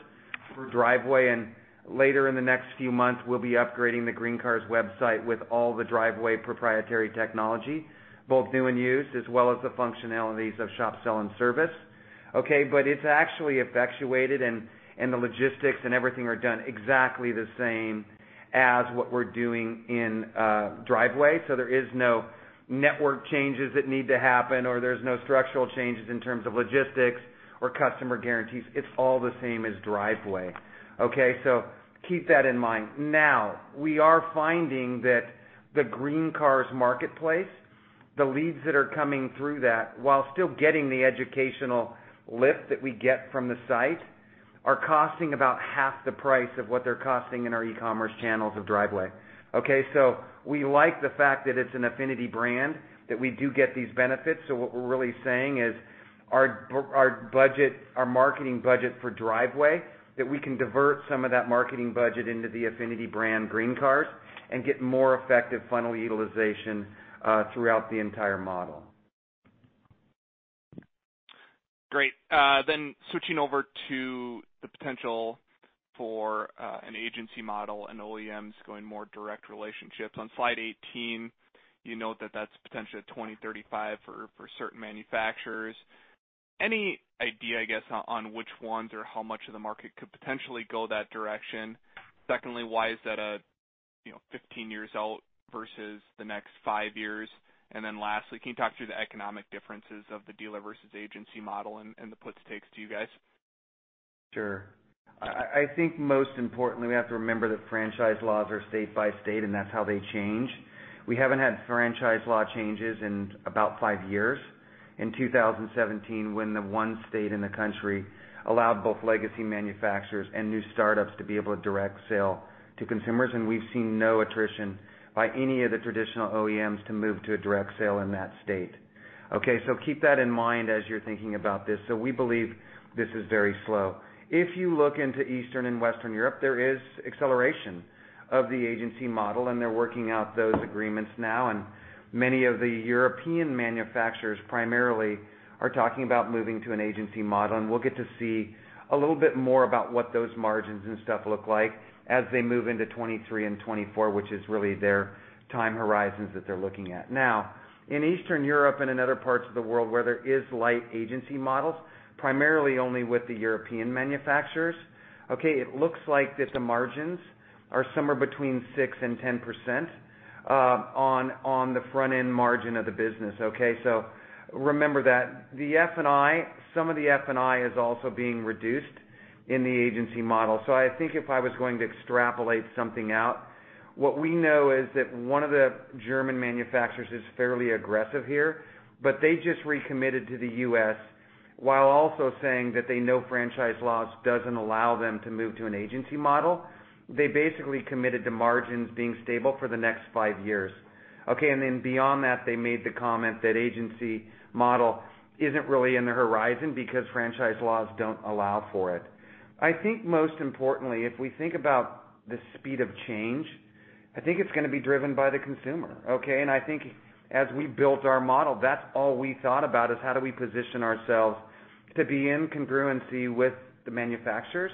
for Driveway, and later in the next few months, we'll be upgrading the GreenCars website with all the Driveway proprietary technology, both new and used, as well as the functionalities of shop, sell, and service, okay? It's actually effectuated and the logistics and everything are done exactly the same as what we're doing in Driveway. There is no network changes that need to happen, or there's no structural changes in terms of logistics or customer guarantees. It's all the same as Driveway, okay? Keep that in mind. Now, we are finding that the GreenCars marketplace, the leads that are coming through that, while still getting the educational lift that we get from the site, are costing about half the price of what they're costing in our e-commerce channels of Driveway. Okay? We like the fact that it's an affinity brand, that we do get these benefits. What we're really saying is our budget, our marketing budget for Driveway, that we can divert some of that marketing budget into the affinity brand GreenCars and get more effective funnel utilization throughout the entire model. Great. Then switching over to the potential for an agency model and OEMs going more direct relationships. On slide 18, you note that that's potentially a 2035 for certain manufacturers. Any idea, I guess, on which ones or how much of the market could potentially go that direction? Secondly, why is that a, you know, 15 years out versus the next five years? And then lastly, can you talk through the economic differences of the dealer versus agency model and the puts and takes to you guys? Sure. I think most importantly, we have to remember that franchise laws are state by state, and that's how they change. We haven't had franchise law changes in about five years. In 2017, when the one state in the country allowed both legacy manufacturers and new startups to be able to direct sale to consumers, and we've seen no attrition by any of the traditional OEMs to move to a direct sale in that state. Okay? Keep that in mind as you're thinking about this. We believe this is very slow. If you look into Eastern and Western Europe, there is acceleration of the agency model, and they're working out those agreements now. Many of the European manufacturers primarily are talking about moving to an agency model, and we'll get to see a little bit more about what those margins and stuff look like as they move into 2023 and 2024, which is really their time horizons that they're looking at. Now, in Eastern Europe and in other parts of the world where there is light agency models, primarily only with the European manufacturers, okay, it looks like that the margins are somewhere between 6%-10% on the front-end margin of the business. Okay? So remember that. The F&I, some of the F&I is also being reduced in the agency model. I think if I was going to extrapolate something out, what we know is that one of the German manufacturers is fairly aggressive here, but they just recommitted to the U.S. while also saying that they know franchise laws doesn't allow them to move to an agency model. They basically committed to margins being stable for the next five years. Okay? Beyond that, they made the comment that agency model isn't really in the horizon because franchise laws don't allow for it. I think most importantly, if we think about the speed of change, I think it's gonna be driven by the consumer. Okay? I think as we built our model, that's all we thought about, is how do we position ourselves to be in congruency with the manufacturers,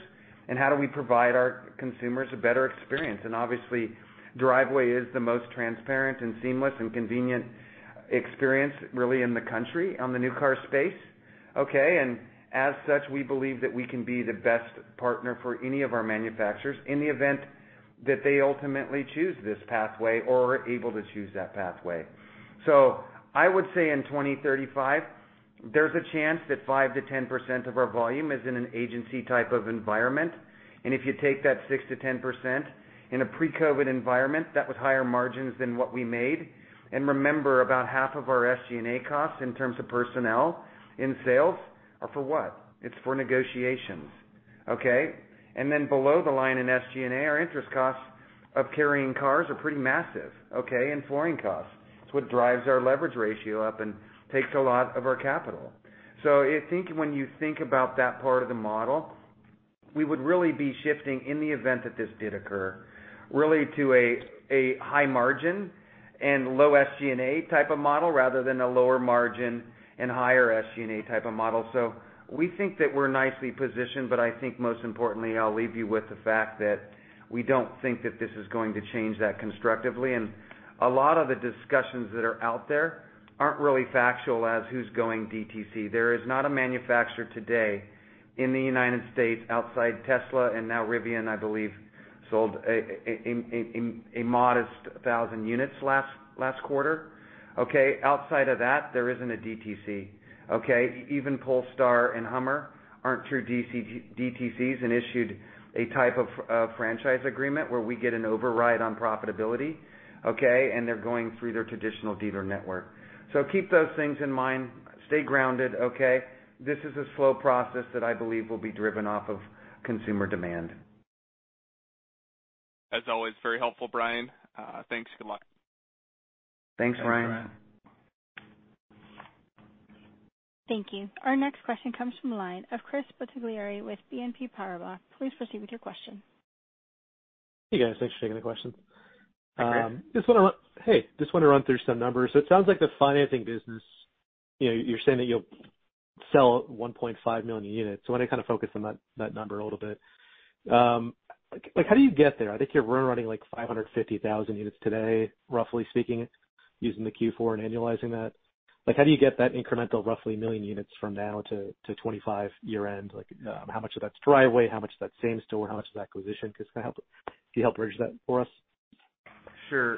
and how do we provide our consumers a better experience? Obviously, Driveway is the most transparent and seamless and convenient experience really in the country on the new car space. Okay? As such, we believe that we can be the best partner for any of our manufacturers in the event that they ultimately choose this pathway or are able to choose that pathway. I would say in 2035, there's a chance that 5%-10% of our volume is in an agency-type of environment. If you take that 6%-10% in a pre-COVID environment, that was higher margins than what we made. Remember, about half of our SG&A costs in terms of personnel in sales are for what? It's for negotiations. Okay? Then below the line in SG&A, our interest costs of carrying cars are pretty massive, okay, and flooring costs. It's what drives our leverage ratio up and takes a lot of our capital. I think when you think about that part of the model, we would really be shifting, in the event that this did occur, really to a high margin and low SG&A type of model rather than a lower margin and higher SG&A type of model. We think that we're nicely positioned, but I think most importantly, I'll leave you with the fact that we don't think that this is going to change that constructively. A lot of the discussions that are out there aren't really factual as who's going DTC. There is not a manufacturer today in the United States outside Tesla and now Rivian, I believe, sold a modest 1,000 units last quarter. Okay? Outside of that, there isn't a DTC. Okay? Even Polestar and Hummer aren't true DTCs and issued a type of franchise agreement where we get an override on profitability, okay, and they're going through their traditional dealer network. Keep those things in mind. Stay grounded, okay? This is a slow process that I believe will be driven off of consumer demand. As always, very helpful, Bryan. Thanks. Good luck. Thanks, Ryan. Thanks, Bryan. Thank you. Our next question comes from the line of Chris Bottiglieri with BNP Paribas. Please proceed with your question. Hey, guys. Thanks for taking the questions. Hey, Chris. Hey, just wanna run through some numbers. It sounds like the financing business, you know, you're saying that you'll sell 1.5 million units. I wanna kinda focus on that number a little bit. Like, how do you get there? I think you're running like 550,000 units today, roughly speaking, using the Q4 and annualizing that. Like, how do you get that incremental roughly 1 million units from now to 2025 year-end? Like, how much of that's Driveway? How much of that's same store? How much is acquisition? Chris, can you help bridge that for us? Sure.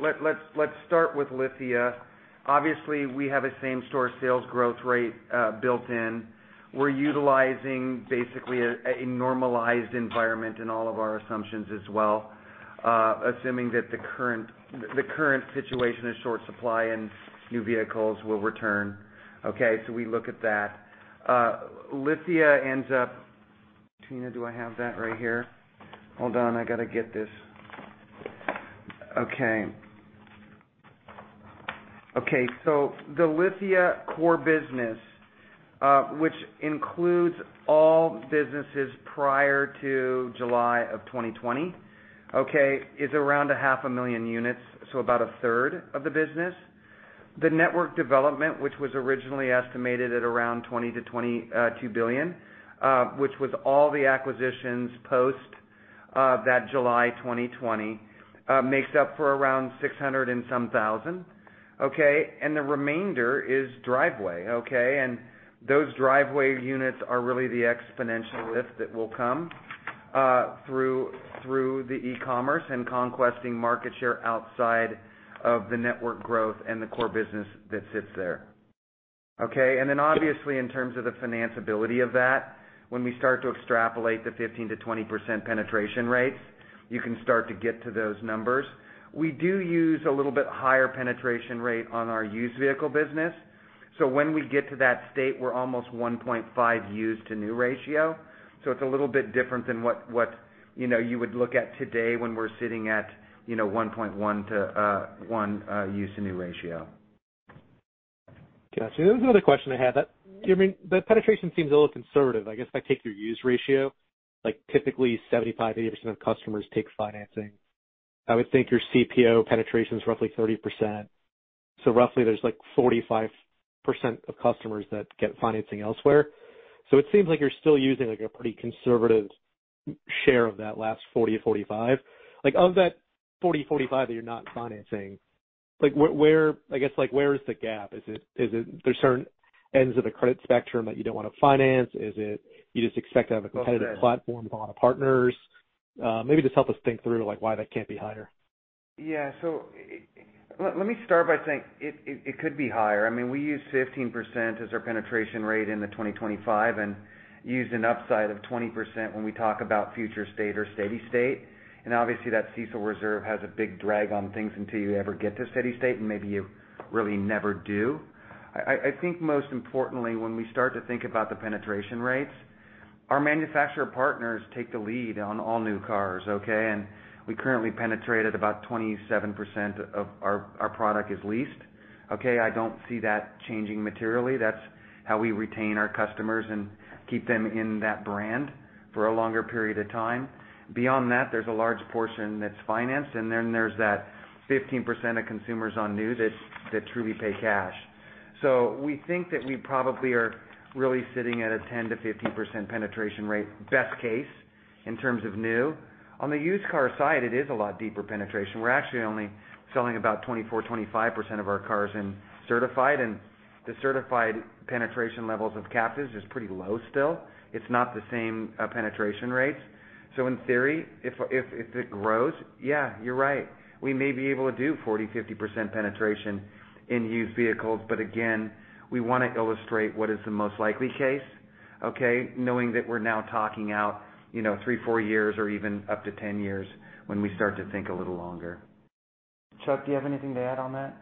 Let's start with Lithia. Obviously, we have a same store sales growth rate built in. We're utilizing basically a normalized environment in all of our assumptions as well, assuming that the current situation of short supply in new vehicles will return. Okay? We look at that. Lithia ends up. Tina, do I have that right here? Hold on. I gotta get this. Okay, so the Lithia core business, which includes all businesses prior to July 2020, okay, is around 500,000 units, so about a 1/3 of the business. The network development, which was originally estimated at around $20 billion-$22 billion, which was all the acquisitions post that July 2020, makes up for around 600,000 and some thousand, okay? The remainder is Driveway, okay? Those Driveway units are really the exponential lift that will come through the e-commerce and conquesting market share outside of the network growth and the core business that sits there. Okay. Then obviously in terms of the financability of that, when we start to extrapolate the 15%-20% penetration rates, you can start to get to those numbers. We do use a little bit higher penetration rate on our used vehicle business. When we get to that state, we're almost 1.5 used to new ratio. It's a little bit different than what you know you would look at today when we're sitting at you know 1.1:1 used to new ratio. Got you. There was another question I had. The penetration seems a little conservative. I guess if I take your used ratio, like typically 75%-80% of customers take financing. I would think your CPO penetration is roughly 30%. So roughly there's like 45% of customers that get financing elsewhere. So it seems like you're still using like a pretty conservative market share of that last 40%-45%. Like, of that 40%-45% that you're not financing, like where is the gap? Is it there's certain ends of the credit spectrum that you don't want to finance? Is it you just expect to have a competitive platform with a lot of partners? Maybe just help us think through, like, why that can't be higher. Yeah. Let me start by saying it could be higher. I mean, we use 15% as our penetration rate in the 2025 and use an upside of 20% when we talk about future state or steady state. Obviously that CECL reserve has a big drag on things until you ever get to steady state and maybe you really never do. I think most importantly, when we start to think about the penetration rates, our manufacturer partners take the lead on all new cars, okay? We currently penetrate at about 27% of our product is leased. Okay. I don't see that changing materially. That's how we retain our customers and keep them in that brand for a longer period of time. Beyond that, there's a large portion that's financed, and then there's that 15% of consumers on new that truly pay cash. We think that we probably are really sitting at a 10%-15% penetration rate, best case, in terms of new. On the used car side, it is a lot deeper penetration. We're actually only selling about 24%-25% of our cars in certified. The certified penetration levels of captives is pretty low still. It's not the same penetration rates. In theory, if it grows, yeah, you're right, we may be able to do 40%-50% penetration in used vehicles. But again, we wanna illustrate what is the most likely case, okay, knowing that we're now talking out, you know, three to four years or even up to 10 years when we start to think a little longer. Chuck Lietz, do you have anything to add on that?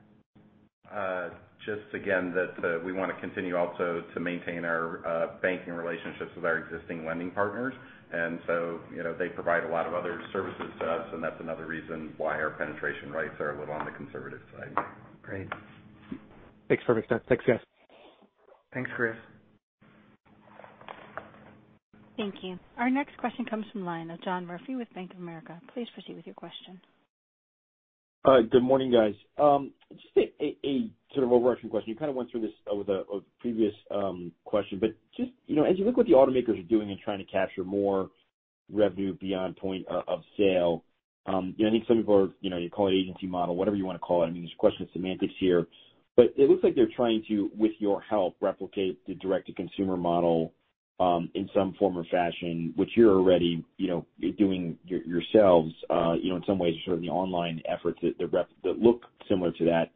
We wanna continue also to maintain our banking relationships with our existing lending partners. You know, they provide a lot of other services to us, and that's another reason why our penetration rates are a little on the conservative side. Great. Thanks for that. Thanks, guys. Thanks, Chris. Thank you. Our next question comes from the line of John Murphy with Bank of America. Please proceed with your question. Good morning, guys. Just a sort of overarching question. You kind of went through this with a previous question, but just, you know, as you look what the automakers are doing in trying to capture more revenue beyond point of sale, you know, I think some people are. You know, you call it agency model, whatever you wanna call it. I mean, there's a question of semantics here. It looks like they're trying to, with your help, replicate the direct-to-consumer model, in some form or fashion, which you're already, you know, doing yourselves, you know, in some ways, sort of the online efforts that look similar to that.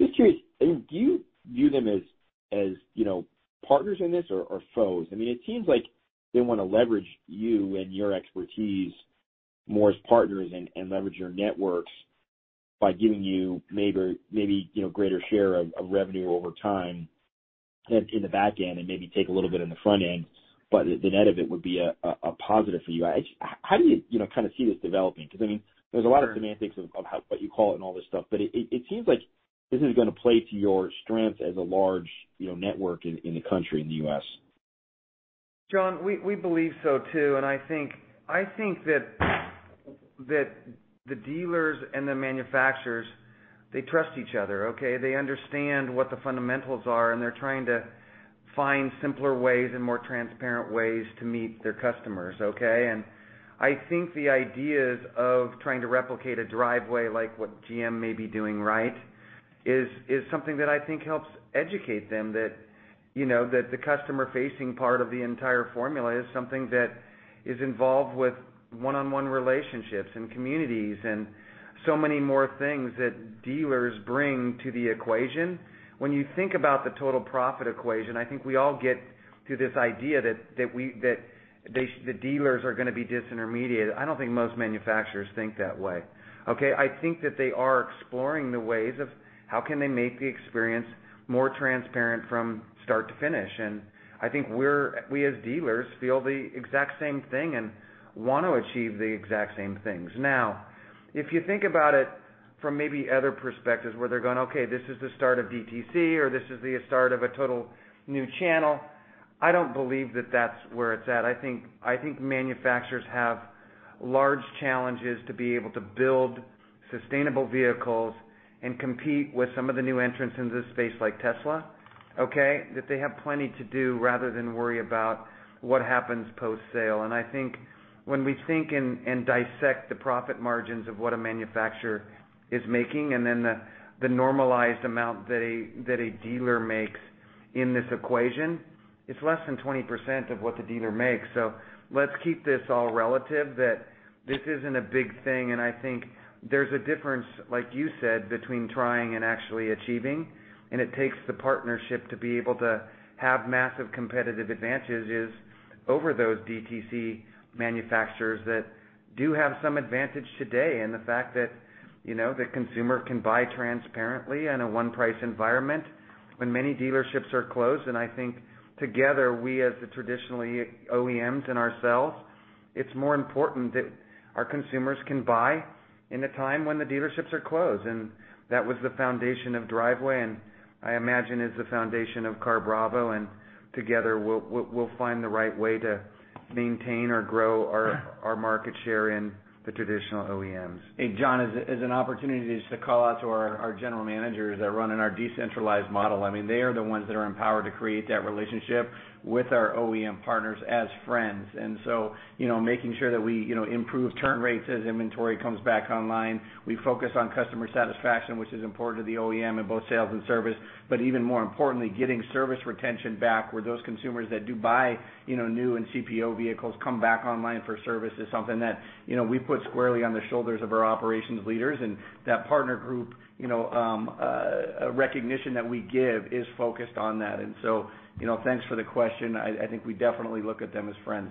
Just curious, do you view them as, you know, partners in this or foes? I mean, it seems like they wanna leverage you and your expertise more as partners and leverage your networks by giving you maybe, you know, greater share of revenue over time in the back end and maybe take a little bit in the front end, but the net of it would be a positive for you. How do you know, kinda see this developing? Because, I mean, there's a lot of semantics of what you call it and all this stuff, but it seems like this is gonna play to your strength as a large, you know, network in the country, in the U.S. John, we believe so, too. I think that the dealers and the manufacturers, they trust each other, okay? They understand what the fundamentals are, and they're trying to find simpler ways and more transparent ways to meet their customers, okay? I think the ideas of trying to replicate a Driveway like what GM may be doing right is something that I think helps educate them that, you know, the customer-facing part of the entire formula is something that is involved with one-on-one relationships and communities and so many more things that dealers bring to the equation. When you think about the total profit equation, I think we all get to this idea that the dealers are gonna be disintermediated. I don't think most manufacturers think that way. Okay. I think that they are exploring the ways of how can they make the experience more transparent from start to finish. I think we as dealers feel the exact same thing and want to achieve the exact same things. Now, if you think about it from maybe other perspectives where they're going, "Okay, this is the start of DTC," or, "This is the start of a total new channel." I don't believe that that's where it's at. I think manufacturers have large challenges to be able to build sustainable vehicles and compete with some of the new entrants into this space like Tesla, okay? That they have plenty to do rather than worry about what happens post-sale. I think when we think and dissect the profit margins of what a manufacturer is making and then the normalized amount that a dealer makes in this equation, it's less than 20% of what the dealer makes. Let's keep this all relative that this isn't a big thing. I think there's a difference, like you said, between trying and actually achieving. It takes the partnership to be able to have massive competitive advantages over those DTC manufacturers that do have some advantage today. The fact that, you know, the consumer can buy transparently in a one-price environment when many dealerships are closed. I think together, we as the traditional OEMs and ourselves, it's more important that our consumers can buy in a time when the dealerships are closed. That was the foundation of Driveway, and I imagine is the foundation of CarBravo. Together, we'll find the right way to maintain or grow our market share in the traditional OEMs. Hey, John, as an opportunity just to call out to our general managers that run in our decentralized model. I mean, they are the ones that are empowered to create that relationship with our OEM partners as friends. You know, making sure that we, you know, improve turn rates as inventory comes back online, we focus on customer satisfaction, which is important to the OEM in both sales and service. Even more importantly, getting service retention back where those consumers that do buy, you know, new and CPO vehicles come back online for service is something that, you know, we put squarely on the shoulders of our operations leaders. That partner group, you know, recognition that we give is focused on that. You know, thanks for the question. I think we definitely look at them as friends.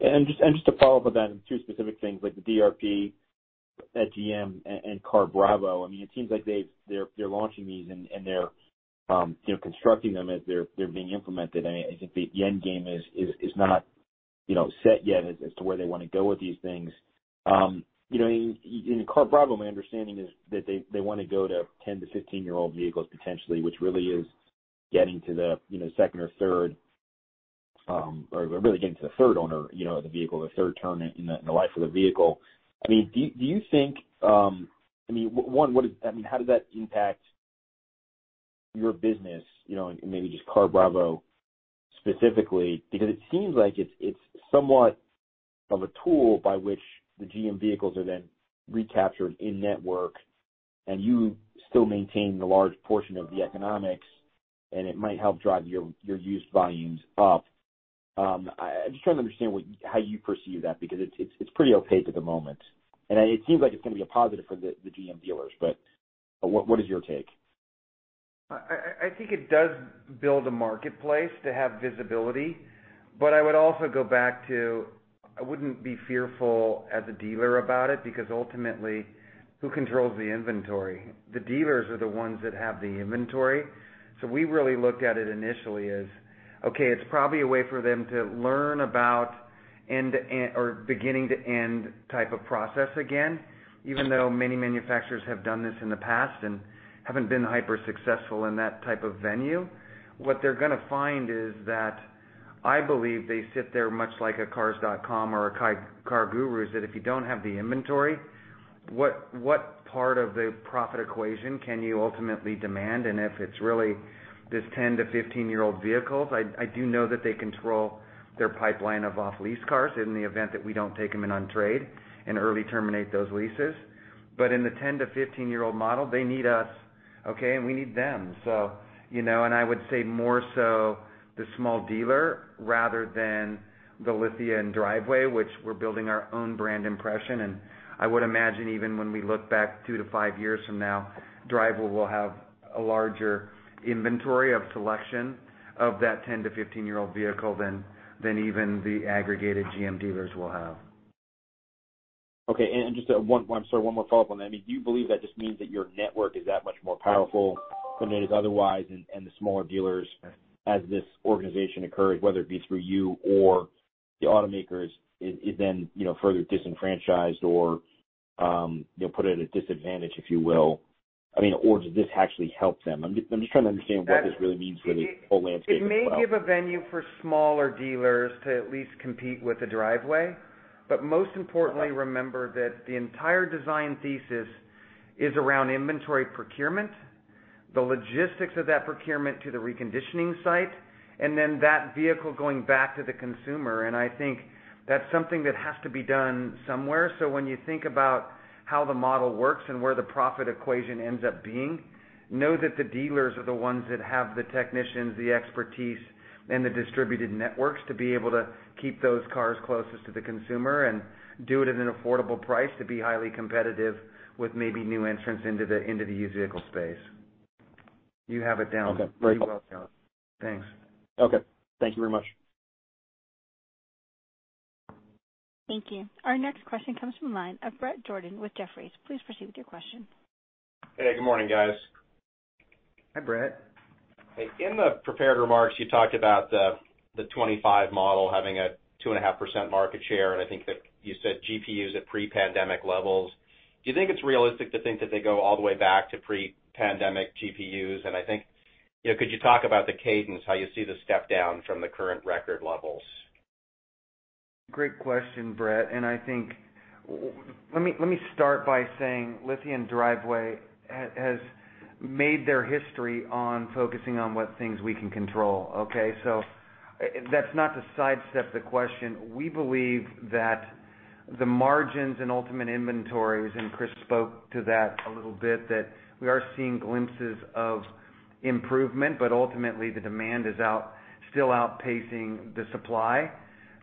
Just to follow up on that, two specific things with the DRP at GM and CarBravo. I mean, it seems like they're launching these and they're constructing them as they're being implemented. I think the end game is not, you know, set yet as to where they wanna go with these things. You know, in CarBravo, my understanding is that they wanna go to 10- to 15-year-old vehicles potentially, which really is getting to the second or third or really getting to the third owner, you know, of the vehicle, the third term in the life of the vehicle. I mean, do you think, one, what is, I mean, how does that impact your business, you know, maybe just CarBravo specifically? Because it seems like it's somewhat of a tool by which the GM vehicles are then recaptured in-network, and you still maintain the large portion of the economics, and it might help drive your used volumes up. I'm just trying to understand how you perceive that because it's pretty opaque at the moment. It seems like it's gonna be a positive for the GM dealers, but what is your take? I think it does build a marketplace to have visibility. I would also go back to, I wouldn't be fearful as a dealer about it because ultimately, who controls the inventory? The dealers are the ones that have the inventory. We really looked at it initially as, okay, it's probably a way for them to learn about end-to-end or beginning-to-end type of process again, even though many manufacturers have done this in the past and haven't been hyper successful in that type of venue. What they're gonna find is that I believe they sit there much like a Cars.com or a CarGurus, that if you don't have the inventory, what part of the profit equation can you ultimately demand? If it's really this 10- to 15-year-old vehicles, I do know that they control their pipeline of off-lease cars in the event that we don't take them in on trade and early terminate those leases. In the 10- to 15-year-old model, they need us, okay, and we need them. You know, I would say more so the small dealer rather than the Lithia & Driveway, which we're building our own brand impression. I would imagine even when we look back two- to five years from now, Driveway will have a larger inventory of selection of that 10- to 15-year-old vehicle than even the aggregated GM dealers will have. Okay. I'm sorry, one more follow-up on that. I mean, do you believe that just means that your network is that much more powerful than it is otherwise, and the smaller dealers as this organization occurs, whether it be through you or the automakers, is then, you know, further disenfranchised or, you know, put at a disadvantage, if you will? I mean, or does this actually help them? I'm just trying to understand what this really means for the whole landscape as well. It may give a venue for smaller dealers to at least compete with the Driveway. Most importantly, remember that the entire design thesis is around inventory procurement, the logistics of that procurement to the reconditioning site, and then that vehicle going back to the consumer. I think that's something that has to be done somewhere. When you think about how the model works and where the profit equation ends up being, know that the dealers are the ones that have the technicians, the expertise, and the distributed networks to be able to keep those cars closest to the consumer and do it at an affordable price to be highly competitive with maybe new entrants into the used vehicle space. You have it down. Okay. Great. You're welcome. Thanks. Okay. Thank you very much. Thank you. Our next question comes from the line of Bret Jordan with Jefferies. Please proceed with your question. Hey, good morning, guys. Hi, Bret. In the prepared remarks, you talked about the 2025 model having a 2.5% market share, and I think that you said GPUs at pre-pandemic levels. Do you think it's realistic to think that they go all the way back to pre-pandemic GPUs? I think, you know, could you talk about the cadence, how you see the step down from the current record levels? Great question, Bret, and I think. Let me start by saying Lithia & Driveway has made their history on focusing on what things we can control, okay? That's not to sidestep the question. We believe that the margins and ultimate inventories, and Chris spoke to that a little bit, that we are seeing glimpses of improvement, but ultimately, the demand is out, still outpacing the supply.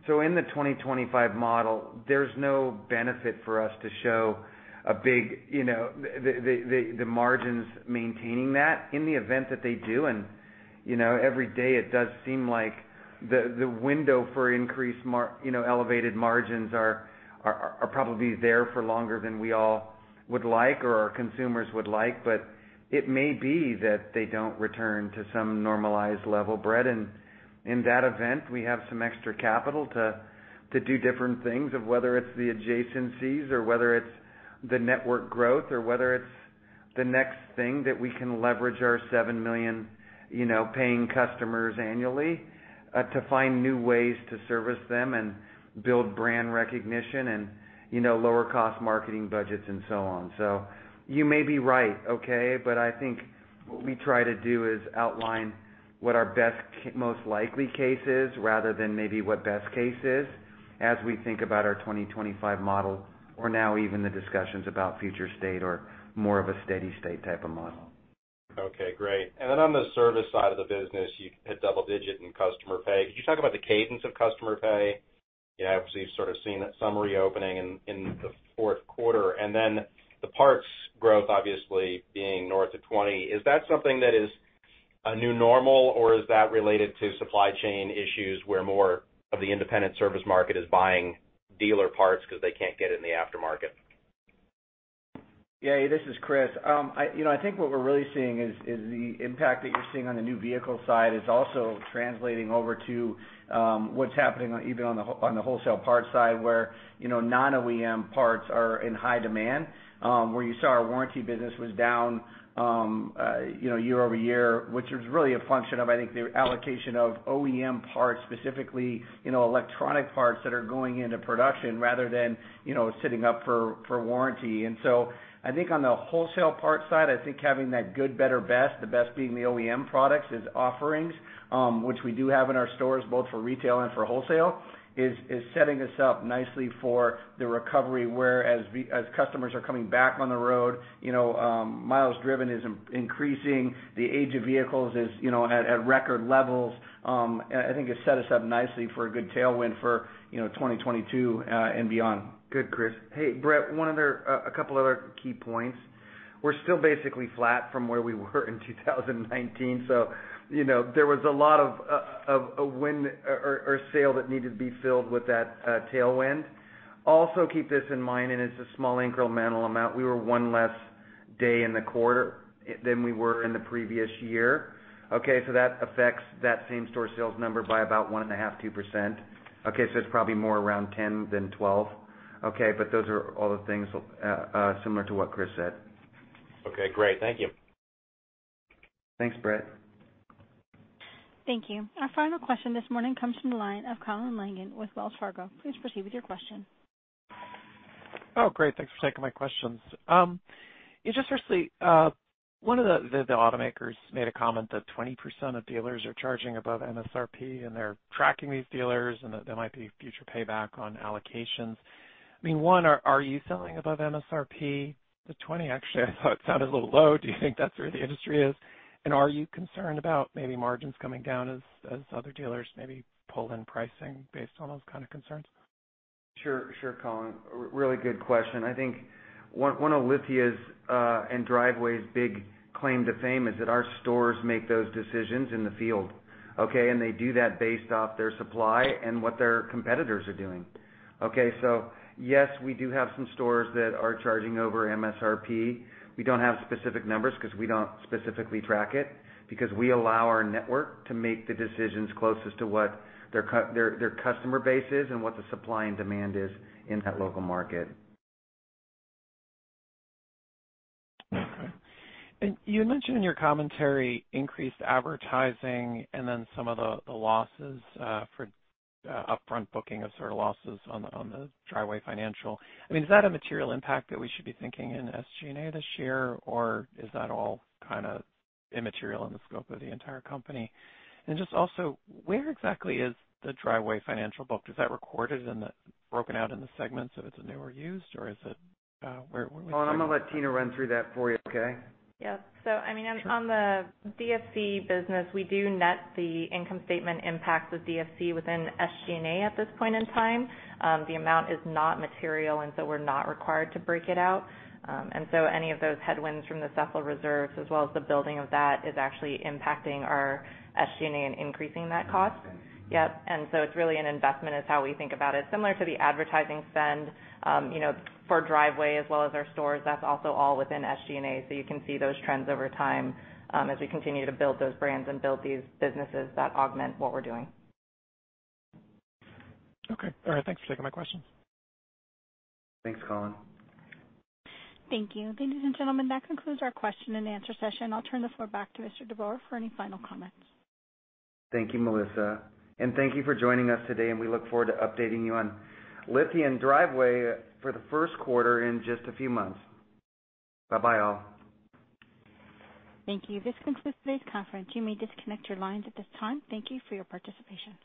In the 2025 model, there's no benefit for us to show a big, you know, the margins maintaining that. In the event that they do, and, you know, every day it does seem like the window for increased, you know, elevated margins are probably there for longer than we all would like or our consumers would like. It may be that they don't return to some normalized level, Bret. In that event, we have some extra capital to do different things of whether it's the adjacencies, or whether it's the network growth, or whether it's the next thing that we can leverage our 7 million, you know, paying customers annually, to find new ways to service them and build brand recognition and, you know, lower cost marketing budgets and so on. You may be right, okay. I think what we try to do is outline what our best most likely case is rather than maybe what best case is as we think about our 2025 model, or now even the discussions about future state or more of a steady state type of model. Okay, great. On the service side of the business, you hit double-digit in customer pay. Could you talk about the cadence of customer pay? You obviously have sort of seen some reopening in the fourth quarter, and then the parts growth obviously being north of 20%. Is that something that is a new normal, or is that related to supply chain issues, where more of the independent service market is buying dealer parts because they can't get it in the aftermarket? Yeah, this is Chris. You know, I think what we're really seeing is the impact that you're seeing on the new vehicle side is also translating over to what's happening on, even on the wholesale parts side, where, you know, non-OEM parts are in high demand, where you saw our warranty business was down, you know, year-over-year, which was really a function of, I think, the allocation of OEM parts, specifically, you know, electronic parts that are going into production rather than, you know, sitting up for warranty. I think on the wholesale parts side, I think having that good, better, best, the best being the OEM products is offerings, which we do have in our stores both for retail and for wholesale, is setting us up nicely for the recovery, as customers are coming back on the road, you know, miles driven is increasing, the age of vehicles is, you know, at record levels. I think it set us up nicely for a good tailwind for, you know, 2022 and beyond. Good, Chris. Hey, Brett, a couple of other key points. We're still basically flat from where we were in 2019. You know, there was a lot of wind in our sails that needed to be filled with that tailwind. Also, keep this in mind, and it's a small incremental amount. We were one less day in the quarter than we were in the previous year. Okay, so that affects that same store sales number by about 1.5%-2%. Okay, so it's probably more around 10 than 12. Okay, but those are all the things similar to what Chris said. Okay, great. Thank you. Thanks, Bret. Thank you. Our final question this morning comes from the line of Colin Langan with Wells Fargo. Please proceed with your question. Oh, great. Thanks for taking my questions. Yeah, just firstly, one of the automakers made a comment that 20% of dealers are charging above MSRP, and they're tracking these dealers and that there might be future payback on allocations. I mean, one, are you selling above MSRP? The 20% actually I thought sounded a little low. Do you think that's where the industry is? Are you concerned about maybe margins coming down as other dealers maybe pull in pricing based on those kind of concerns? Sure, Colin. Really good question. I think one of Lithia's and Driveway's big claim to fame is that our stores make those decisions in the field, okay? They do that based off their supply and what their competitors are doing. Okay, so yes, we do have some stores that are charging over MSRP. We don't have specific numbers 'cause we don't specifically track it because we allow our network to make the decisions closest to what their customer base is and what the supply and demand is in that local market. Okay. You had mentioned in your commentary increased advertising and then some of the losses for upfront booking of sort of losses on the Driveway Finance. I mean, is that a material impact that we should be thinking in SG&A this year, or is that all kinda immaterial in the scope of the entire company? Just also, where exactly is the Driveway Finance book? Is that recorded in the broken out in the segments if it's a new or used, or is it where would we- Colin, I'm gonna let Tina run through that for you, okay? Yeah. I mean- Sure. -on the DFC business, we do net the income statement impact of DFC within SG&A at this point in time. The amount is not material, and so we're not required to break it out. Any of those headwinds from the CECL reserves as well as the building of that is actually impacting our SG&A and increasing that cost. Yep. It's really an investment is how we think about it. Similar to the advertising spend, you know, for Driveway as well as our stores, that's also all within SG&A. You can see those trends over time, as we continue to build those brands and build these businesses that augment what we're doing. Okay. All right. Thanks for taking my questions. Thanks, Colin. Thank you. Ladies and gentlemen, that concludes our question-and-answer session. I'll turn the floor back to Mr. DeBoer for any final comments. Thank you, Melissa. Thank you for joining us today, and we look forward to updating you on Lithia & Driveway for the first quarter in just a few months. Bye-bye, all. Thank you. This concludes today's conference. You may disconnect your lines at this time. Thank you for your participation.